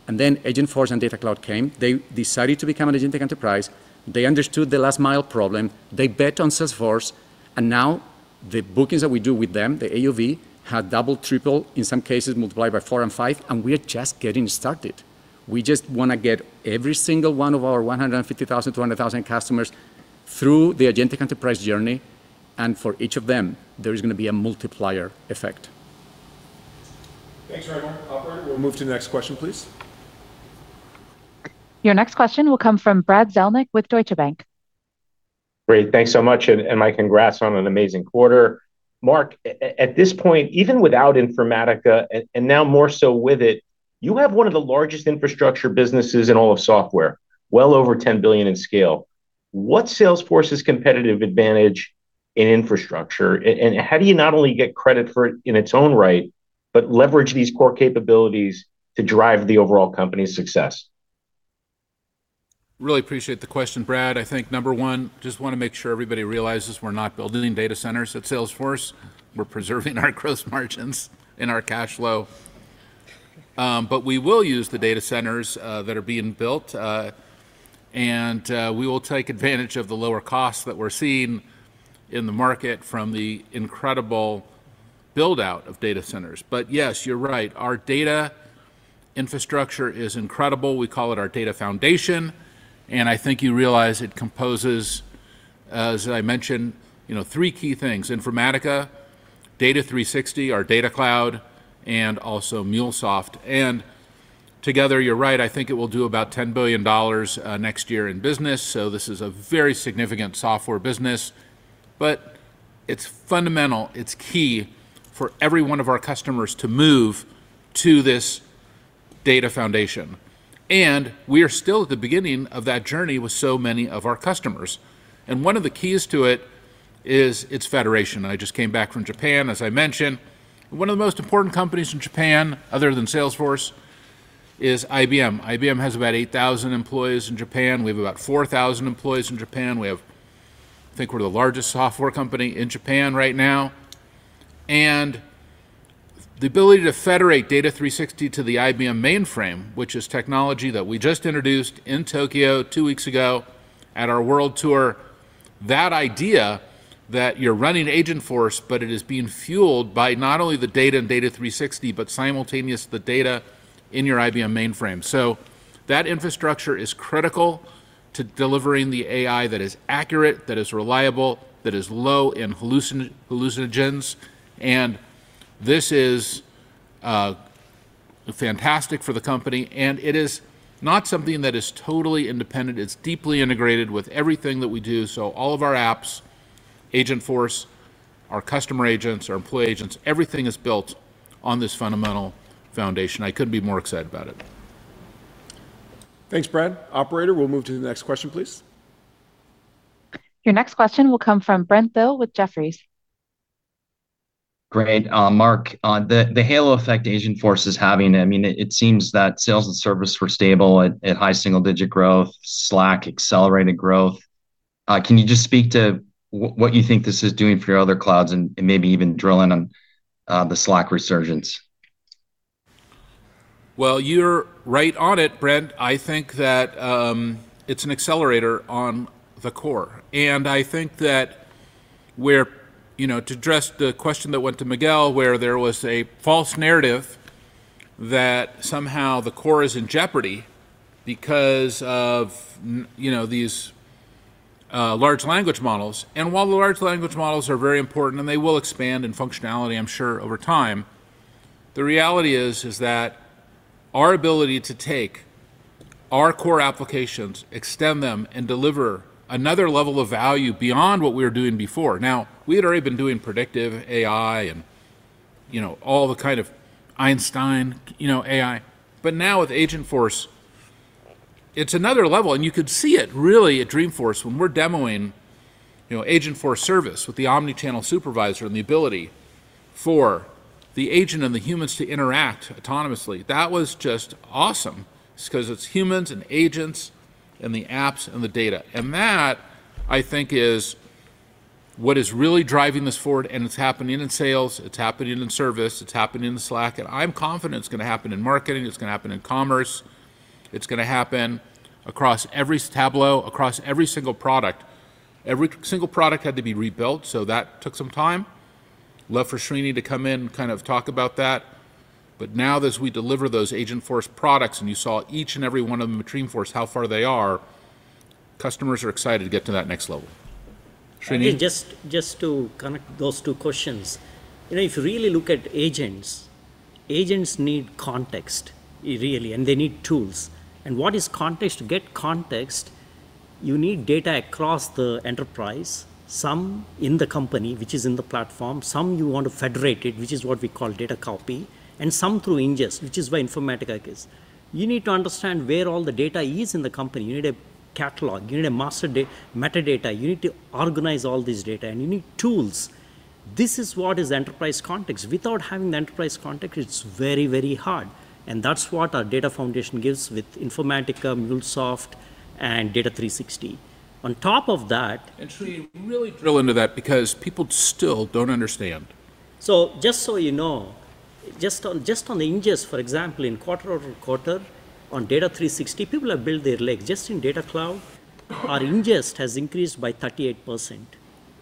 S6: And then Agentforce and Data Cloud came. They decided to become an Agentic Enterprise. They understood the last mile problem. They bet on Salesforce. And now the bookings that we do with them, the AOV, has doubled, tripled, in some cases, multiplied by four and five. And we are just getting started. We just want to get every single one of our 150,000, 200,000 customers through the Agentic Enterprise journey. For each of them, there is going to be a multiplier effect.
S2: Thanks, Raimo. Operator, we'll move to the next question, please.
S1: Your next question will come from Brad Zelnick with Deutsche Bank.
S8: Great. Thanks so much. And my congrats on an amazing quarter. Marc, at this point, even without Informatica, and now more so with it, you have one of the largest infrastructure businesses in all of software, well over $10 billion in scale. What's Salesforce's competitive advantage in infrastructure? And how do you not only get credit for it in its own right, but leverage these core capabilities to drive the overall company's success?
S3: Really appreciate the question, Brad. I think, number one, just want to make sure everybody realizes we're not building data centers at Salesforce. We're preserving our gross margins and our cash flow. But we will use the data centers that are being built. And we will take advantage of the lower costs that we're seeing in the market from the incredible build-out of data centers. But yes, you're right. Our data infrastructure is incredible. We call it our data foundation. And I think you realize it composes, as I mentioned, three key things: Informatica, Data 360, our Data Cloud, and also MuleSoft. And together, you're right, I think it will do about $10 billion next year in business. So this is a very significant software business. But it's fundamental. It's key for every one of our customers to move to this data foundation. And we are still at the beginning of that journey with so many of our customers. And one of the keys to it is its federation. I just came back from Japan, as I mentioned. One of the most important companies in Japan, other than Salesforce, is IBM. IBM has about 8,000 employees in Japan. We have about 4,000 employees in Japan. We have, I think we're the largest software company in Japan right now, and the ability to federate Data 360 to the IBM mainframe, which is technology that we just introduced in Tokyo two weeks ago at our World Tour, that idea that you're running Agentforce, but it is being fueled by not only the data and Data 360, but simultaneously the data in your IBM mainframe, so that infrastructure is critical to delivering the AI that is accurate, that is reliable, that is low in hallucinations, and this is fantastic for the company, and it is not something that is totally independent. It's deeply integrated with everything that we do, so all of our apps, Agentforce, our customer agents, our employee agents, everything is built on this fundamental foundation. I couldn't be more excited about it.
S2: Thanks, Brad. Operator, we'll move to the next question, please.
S1: Your next question will come from Brent Thill with Jefferies.
S9: Great. Marc, the halo effect Agentforce is having. I mean, it seems that sales and service were stable at high single-digit growth, Slack accelerated growth. Can you just speak to what you think this is doing for your other clouds and maybe even drill in on the Slack resurgence?
S3: Well, you're right on it, Brent. I think that it's an accelerator on the core. And I think that to address the question that went to Miguel, where there was a false narrative that somehow the core is in jeopardy because of these large language models. And while the large language models are very important and they will expand in functionality, I'm sure, over time, the reality is that our ability to take our core applications, extend them, and deliver another level of value beyond what we were doing before. Now, we had already been doing predictive AI and all the kind of Einstein AI. But now with Agentforce, it's another level. And you could see it really at Dreamforce when we're demoing Agentforce Service with the Omni-Channel Supervisor and the ability for the agent and the humans to interact autonomously. That was just awesome because it's humans and agents and the apps and the data. And that, I think, is what is really driving this forward. And it's happening in sales. It's happening in service. It's happening in Slack. And I'm confident it's going to happen in marketing. It's going to happen in commerce. It's going to happen across every Tableau, across every single product. Every single product had to be rebuilt. So that took some time, left for Srini to come in and kind of talk about that. But now, as we deliver those Agentforce products, and you saw each and every one of them at Dreamforce, how far they are. Customers are excited to get to that next level. Srini.
S10: Just to connect those two questions. If you really look at agents, agents need context, really, and they need tools. What is context? To get context, you need data across the enterprise, some in the company, which is in the platform, some you want to federate it, which is what we call Zero Copy, and some through ingest, which is where Informatica is. You need to understand where all the data is in the company. You need a catalog. You need a master metadata. You need to organize all this data. And you need tools. This is what is enterprise context. Without having the enterprise context, it's very, very hard. And that's what our data foundation gives with Informatica, MuleSoft, and Data 360. On top of that.
S3: And Srini, really drill into that because people still don't understand.
S10: So just so you know, just on the ingest, for example, in quarter over quarter on Data 360, people have built their legs. Just in Data Cloud, our ingest has increased by 38%.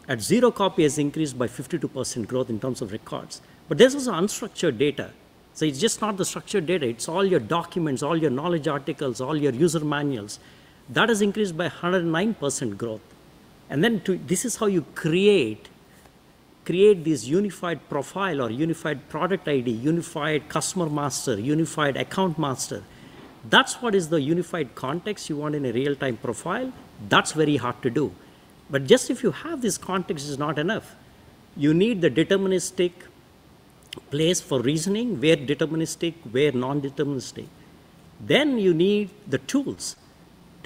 S10: At Zero Copy has increased by 52% growth in terms of records. But this is unstructured data. So it's just not the structured data. It's all your documents, all your knowledge articles, all your user manuals. That has increased by 109% growth. And then this is how you create this unified profile or unified product ID, unified customer master, unified account master. That's what is the unified context you want in a real-time profile. That's very hard to do. But just if you have this context, it's not enough. You need the deterministic place for reasoning, where deterministic, where non-deterministic. Then you need the tools.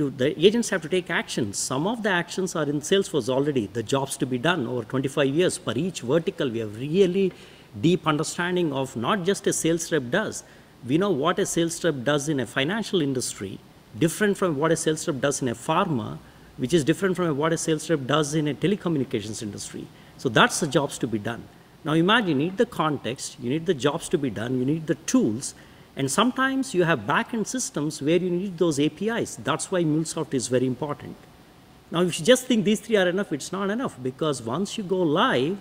S10: The agents have to take actions. Some of the actions are in Salesforce already, the jobs to be done over 25 years per each vertical. We have really deep understanding of not just a sales rep does. We know what a sales rep does in a financial industry, different from what a sales rep does in a pharma, which is different from what a sales rep does in a telecommunications industry. So that's the jobs to be done. Now, imagine you need the context. You need the jobs to be done. You need the tools. And sometimes you have backend systems where you need those APIs. That's why MuleSoft is very important. Now, if you just think these three are enough, it's not enough. Because once you go live,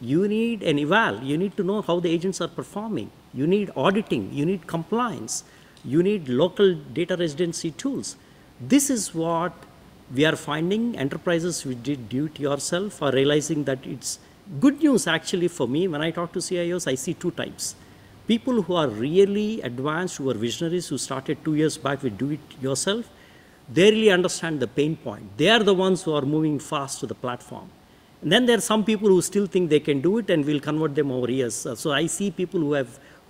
S10: you need an eval. You need to know how the agents are performing. You need auditing. You need compliance. You need local data residency tools. This is what we are finding enterprises who did do-it-yourself are realizing that it's good news, actually, for me. When I talk to CIOs, I see two types. People who are really advanced, who are visionaries, who started two years back with do-it-yourself, they really understand the pain point. They are the ones who are moving fast to the platform. And then there are some people who still think they can do it and will convert them over years. So I see people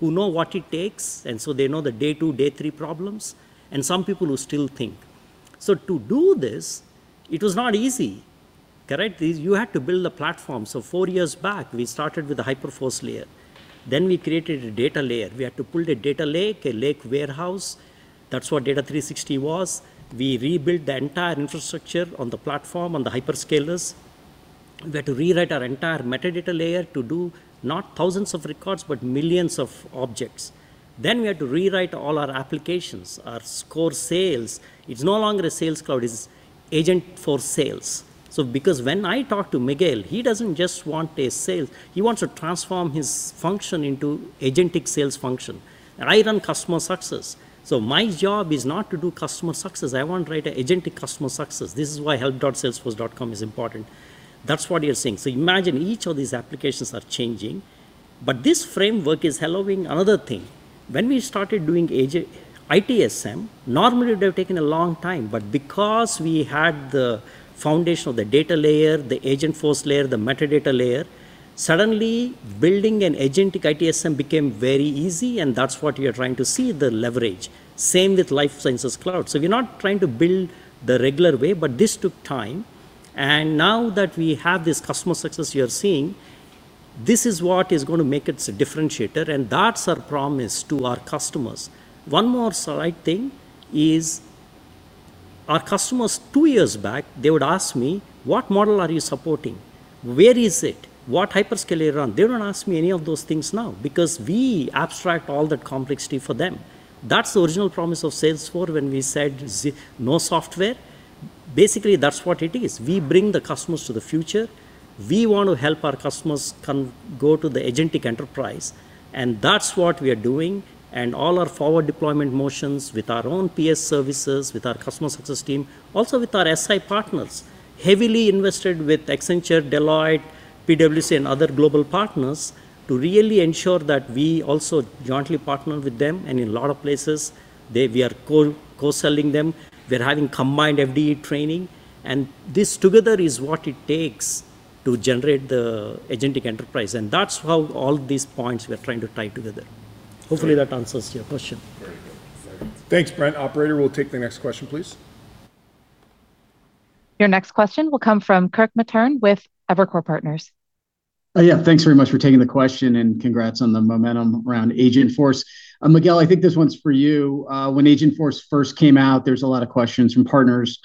S10: who know what it takes. And so they know the day two, day three problems. And some people who still think. So to do this, it was not easy. You had to build a platform. So four years back, we started with a Hyperforce layer. Then we created a data layer. We had to pull the data lake, a lake warehouse. That's what Data 360 was. We rebuilt the entire infrastructure on the platform, on the hyperscalers. We had to rewrite our entire metadata layer to do, not thousands of records, but millions of objects. Then we had to rewrite all our applications, our core sales. It's no longer a Sales Cloud. It's Agentforce Sales. So because when I talk to Miguel, he doesn't just want a sales. He wants to transform his function into agentic sales function. And I run customer success. My job is not to do customer success. I want to write agentic customer success. This is why help.salesforce.com is important. That's what you're seeing. Imagine each of these applications are changing. But this framework is holding another thing. When we started doing ITSM, normally it would have taken a long time. But because we had the foundation of the data layer, the Agentforce layer, the metadata layer, suddenly building an agentic ITSM became very easy. And that's what you're trying to see, the leverage. Same with Life Sciences Cloud. We're not trying to build the regular way, but this took time. And now that we have this customer success you're seeing, this is what is going to make its differentiator. And that's our promise to our customers. One more slight thing is our customers two years back, they would ask me, "What model are you supporting? Where is it? What hyperscale are you running?" They don't ask me any of those things now because we abstract all that complexity for them. That's the original promise of Salesforce when we said no software. Basically, that's what it is. We bring the customers to the future. We want to help our customers go to the Agentic Enterprise. And that's what we are doing. And all our forward deployment motions with our own PS services, with our customer success team, also with our SI partners, heavily invested with Accenture, Deloitte, PwC, and other global partners to really ensure that we also jointly partner with them. And in a lot of places, we are co-selling them. We're having combined FDE training. And this together is what it takes to generate the Agentic Enterprise. And that's how all these points we're trying to tie together. Hopefully, that answers your question.
S2: Very good. Thanks, Brent. Operator, we'll take the next question, please.
S1: Your next question will come from Kirk Materne with Evercore Partners.
S11: Yeah, thanks very much for taking the question. And congrats on the momentum around Agentforce. Miguel, I think this one's for you. When Agentforce first came out, there's a lot of questions from partners,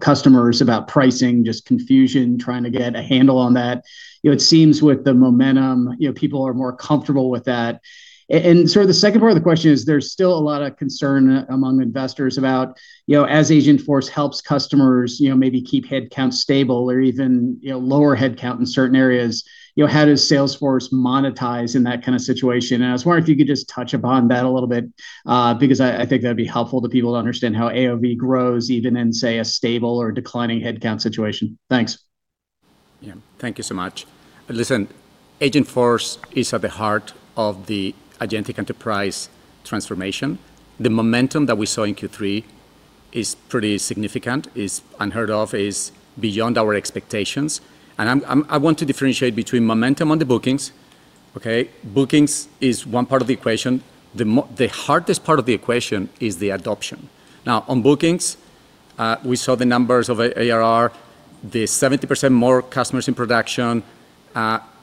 S11: customers about pricing, just confusion, trying to get a handle on that. It seems with the momentum, people are more comfortable with that. And sort of the second part of the question is there's still a lot of concern among investors about, as Agentforce helps customers maybe keep headcount stable or even lower headcount in certain areas, how does Salesforce monetize in that kind of situation? I was wondering if you could just touch upon that a little bit because I think that'd be helpful to people to understand how AOV grows even in, say, a stable or declining headcount situation. Thanks.
S6: Yeah, thank you so much. Listen, Agentforce is at the heart of the Agentic Enterprise transformation. The momentum that we saw in Q3 is pretty significant, is unheard of, is beyond our expectations. I want to differentiate between momentum on the bookings. Bookings is one part of the equation. The hardest part of the equation is the adoption. Now, on bookings, we saw the numbers of ARR, the 70% more customers in production.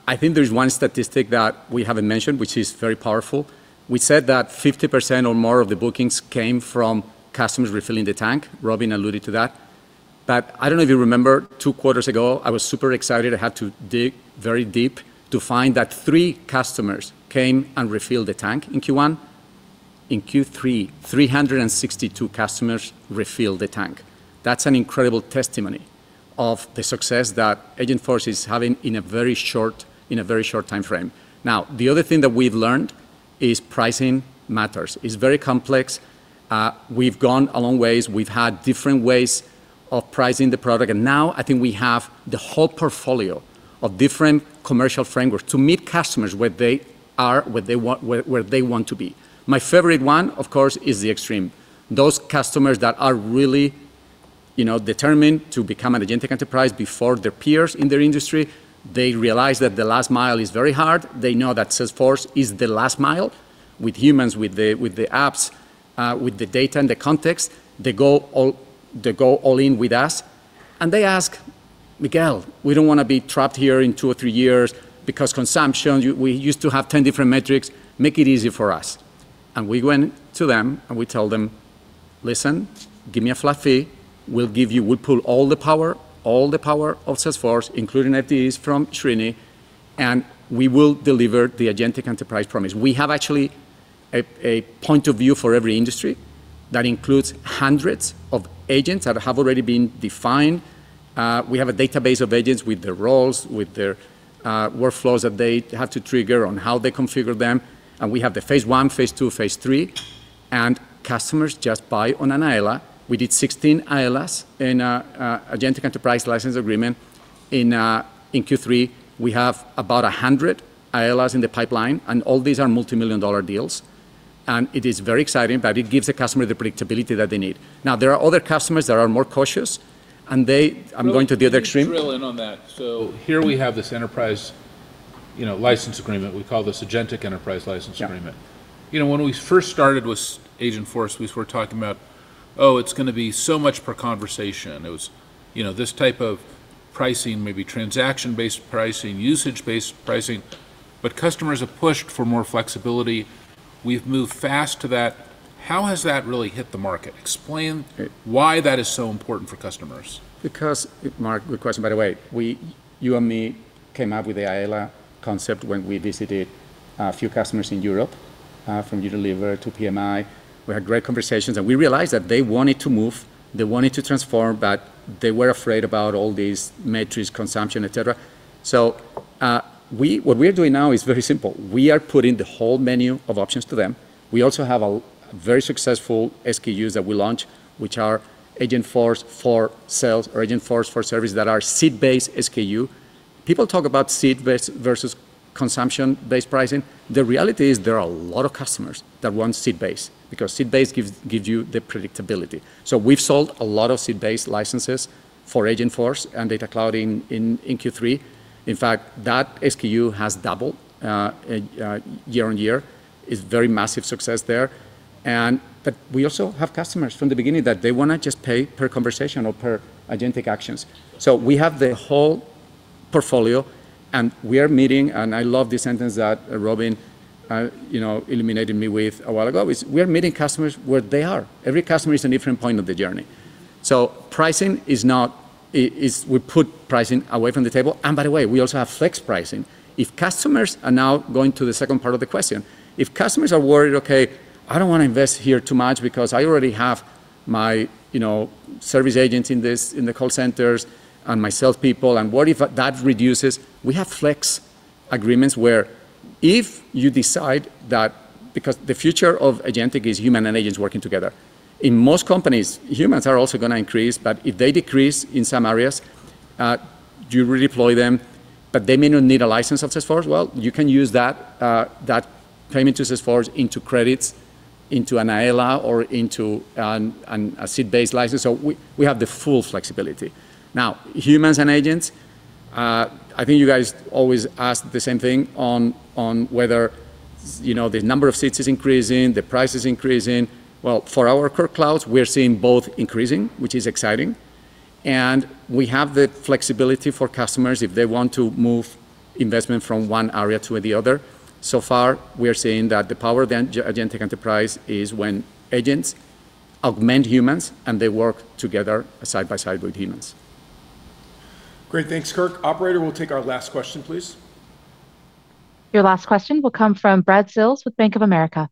S6: I think there's one statistic that we haven't mentioned, which is very powerful. We said that 50% or more of the bookings came from customers refilling the tank. Robin alluded to that. But I don't know if you remember, two quarters ago, I was super excited. I had to dig very deep to find that three customers came and refilled the tank in Q1. In Q3, 362 customers refilled the tank. That's an incredible testimony of the success that Agentforce is having in a very short time frame. Now, the other thing that we've learned is pricing matters. It's very complex. We've gone a long ways. We've had different ways of pricing the product. And now I think we have the whole portfolio of different commercial frameworks to meet customers where they are, where they want to be. My favorite one, of course, is the extreme. Those customers that are really determined to become an Agentic Enterprise before their peers in their industry, they realize that the last mile is very hard. They know that Salesforce is the last mile with humans, with the apps, with the data and the context. They go all in with us. And they ask, "Miguel, we don't want to be trapped here in two or three years because consumption, we used to have 10 different metrics. Make it easy for us." And we went to them and we told them, "Listen, give me a flat fee. We'll pull all the power of Salesforce, including FDEs from Srini. And we will deliver the Agentic Enterprise promise." We have actually a point of view for every industry that includes hundreds of agents that have already been defined. We have a database of agents with their roles, with their workflows that they have to trigger on how they configure them. And we have the phase one, phase two, phase three. Customers just buy on an ELA. We did 16 ELAs in an Agentic Enterprise license agreement. In Q3, we have about 100 ELAs in the pipeline. And all these are multi-million-dollar deals. And it is very exciting, but it gives the customer the predictability that they need. Now, there are other customers that are more cautious. And I'm going to the other extreme.
S3: I'm just drilling on that. So here we have this enterprise license agreement. We call this Agentic Enterprise license agreement. When we first started with Agentforce, we were talking about, "Oh, it's going to be so much per conversation." It was this type of pricing, maybe transaction-based pricing, usage-based pricing. But customers have pushed for more flexibility. We've moved fast to that. How has that really hit the market? Explain why that is so important for customers.
S6: Because Marc, good question by the way, you and me came up with the ELA concept when we visited a few customers in Europe, from Unilever to PMI. We had great conversations, and we realized that they wanted to move. They wanted to transform, but they were afraid about all these metrics, consumption, etc. So, what we're doing now is very simple. We are putting the whole menu of options to them. We also have very successful SKUs that we launch, which are Agentforce for sales or Agentforce for service that are seat-based SKU. People talk about seat-based versus consumption-based pricing. The reality is there are a lot of customers that want seed-based because seat-based gives you the predictability. So, we've sold a lot of seat-based licenses for Agentforce and Data Cloud in Q3. In fact, that SKU has doubled year on year. It's very massive success there. But we also have customers from the beginning that they want to just pay per conversation or per agentic actions. So we have the whole portfolio. And we are meeting, and I love this sentence that Robin illuminated me with a while ago. We are meeting customers where they are. Every customer is a different point of the journey. So pricing is not we put pricing away from the table. And by the way, we also have flex pricing. If customers are now going to the second part of the question, if customers are worried, "Okay, I don't want to invest here too much because I already have my service agents in the call centers and my salespeople," and what if that reduces? We have flex agreements where if you decide that because the future of agentic is human and agents working together. In most companies, humans are also going to increase, but if they decrease in some areas, you redeploy them, but they may not need a license of Salesforce. Well, you can use that payment to Salesforce into credits, into an ELA, or into a seat-based license. So we have the full flexibility. Now, humans and agents, I think you guys always ask the same thing on whether the number of seats is increasing, the price is increasing. Well, for our core clouds, we're seeing both increasing, which is exciting, and we have the flexibility for customers if they want to move investment from one area to the other. So far, we are seeing that the power of the Agentic Enterprise is when agents augment humans and they work together side by side with humans.
S2: Great. Thanks, Kirk. Operator, we'll take our last question, please.
S1: Your last question will come from Brad Sills with Bank of America.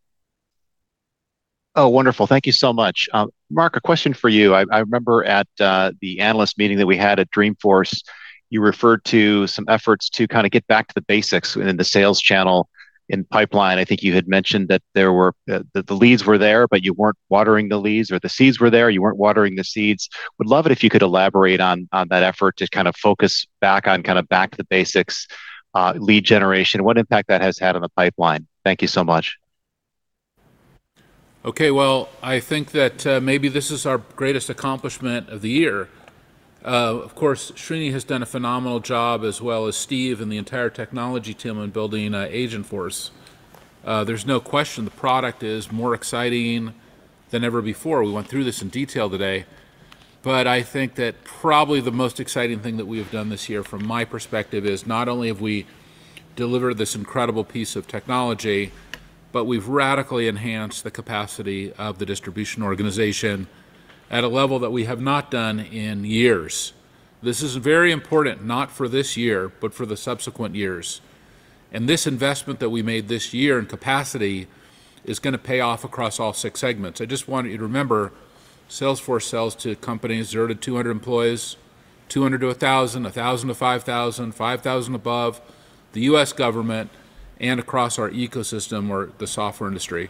S12: Oh, wonderful. Thank you so much. Marc, a question for you. I remember at the analyst meeting that we had at Dreamforce, you referred to some efforts to kind of get back to the basics within the sales channel in pipeline. I think you had mentioned that the leads were there, but you weren't watering the leads or the seeds were there. You weren't watering the seeds. Would love it if you could elaborate on that effort to kind of focus back on kind of back to the basics, lead generation, what impact that has had on the pipeline. Thank you so much.
S3: Okay. Well, I think that maybe this is our greatest accomplishment of the year. Of course, Srini has done a phenomenal job as well as Steve and the entire technology team in building Agentforce. There's no question the product is more exciting than ever before. We went through this in detail today. But I think that probably the most exciting thing that we have done this year from my perspective is not only have we delivered this incredible piece of technology, but we've radically enhanced the capacity of the distribution organization at a level that we have not done in years. This is very important, not for this year, but for the subsequent years. And this investment that we made this year in capacity is going to pay off across all six segments. I just want you to remember, Salesforce sells to companies 0 to 200 employees, 200 to 1,000, 1,000 to 5,000, 5,000 above, the U.S. government, and across our ecosystem or the software industry.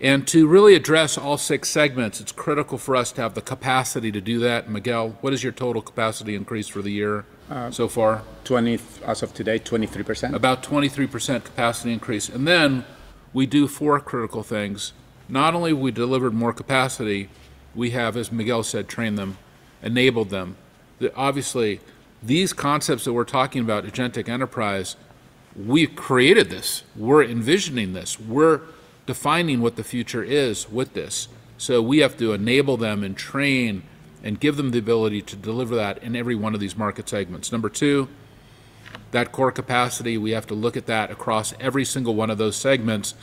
S3: And to really address all six segments, it's critical for us to have the capacity to do that. Miguel, what is your total capacity increase for the year so far?
S6: As of today, 23%.
S3: About 23% capacity increase. And then we do four critical things. Not only have we delivered more capacity, we have, as Miguel said, trained them, enabled them. Obviously, these concepts that we're talking about, Agentic Enterprise, we've created this. We're envisioning this. We're defining what the future is with this. So we have to enable them and train and give them the ability to deliver that in every one of these market segments. Number two, that core capacity, we have to look at that across every single one of those segments.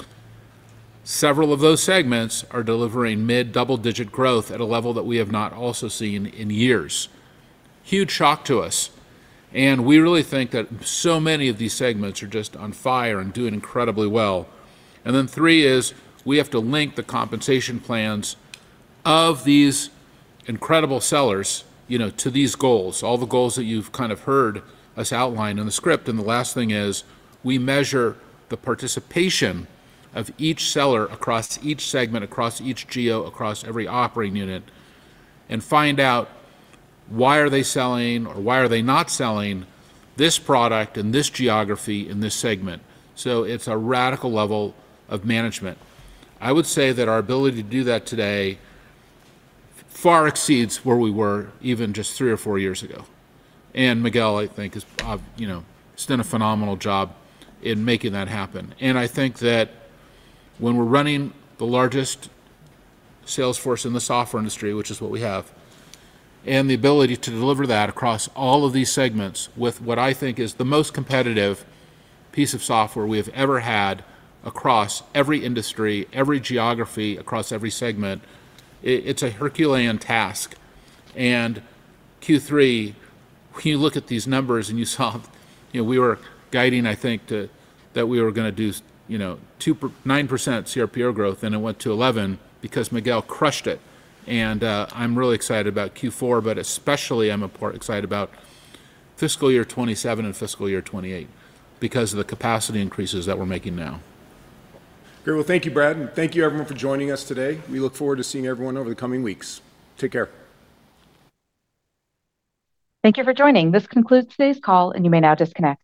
S3: Several of those segments are delivering mid-double-digit growth at a level that we have not also seen in years. Huge shock to us. And we really think that so many of these segments are just on fire and doing incredibly well. And then three is we have to link the compensation plans of these incredible sellers to these goals, all the goals that you've kind of heard us outline in the script. And the last thing is we measure the participation of each seller across each segment, across each geo, across every operating unit, and find out why are they selling or why are they not selling this product in this geography in this segment. So it's a radical level of management. I would say that our ability to do that today far exceeds where we were even just three or four years ago. And Miguel, I think, has done a phenomenal job in making that happen. I think that when we're running the largest sales force in the software industry, which is what we have, and the ability to deliver that across all of these segments with what I think is the most competitive piece of software we have ever had across every industry, every geography, across every segment, it's a Herculean task. Q3, when you look at these numbers and you saw we were guiding, I think, that we were going to do 9% cRPO growth, and it went to 11% because Miguel crushed it. I'm really excited about Q4, but especially I'm excited about fiscal year 2027 and fiscal year 2028 because of the capacity increases that we're making now.
S2: Great. Thank you, Brad. Thank you, everyone, for joining us today. We look forward to seeing everyone over the coming weeks. Take care.
S1: Thank you for joining.
S3: This concludes today's call, and you may now disconnect.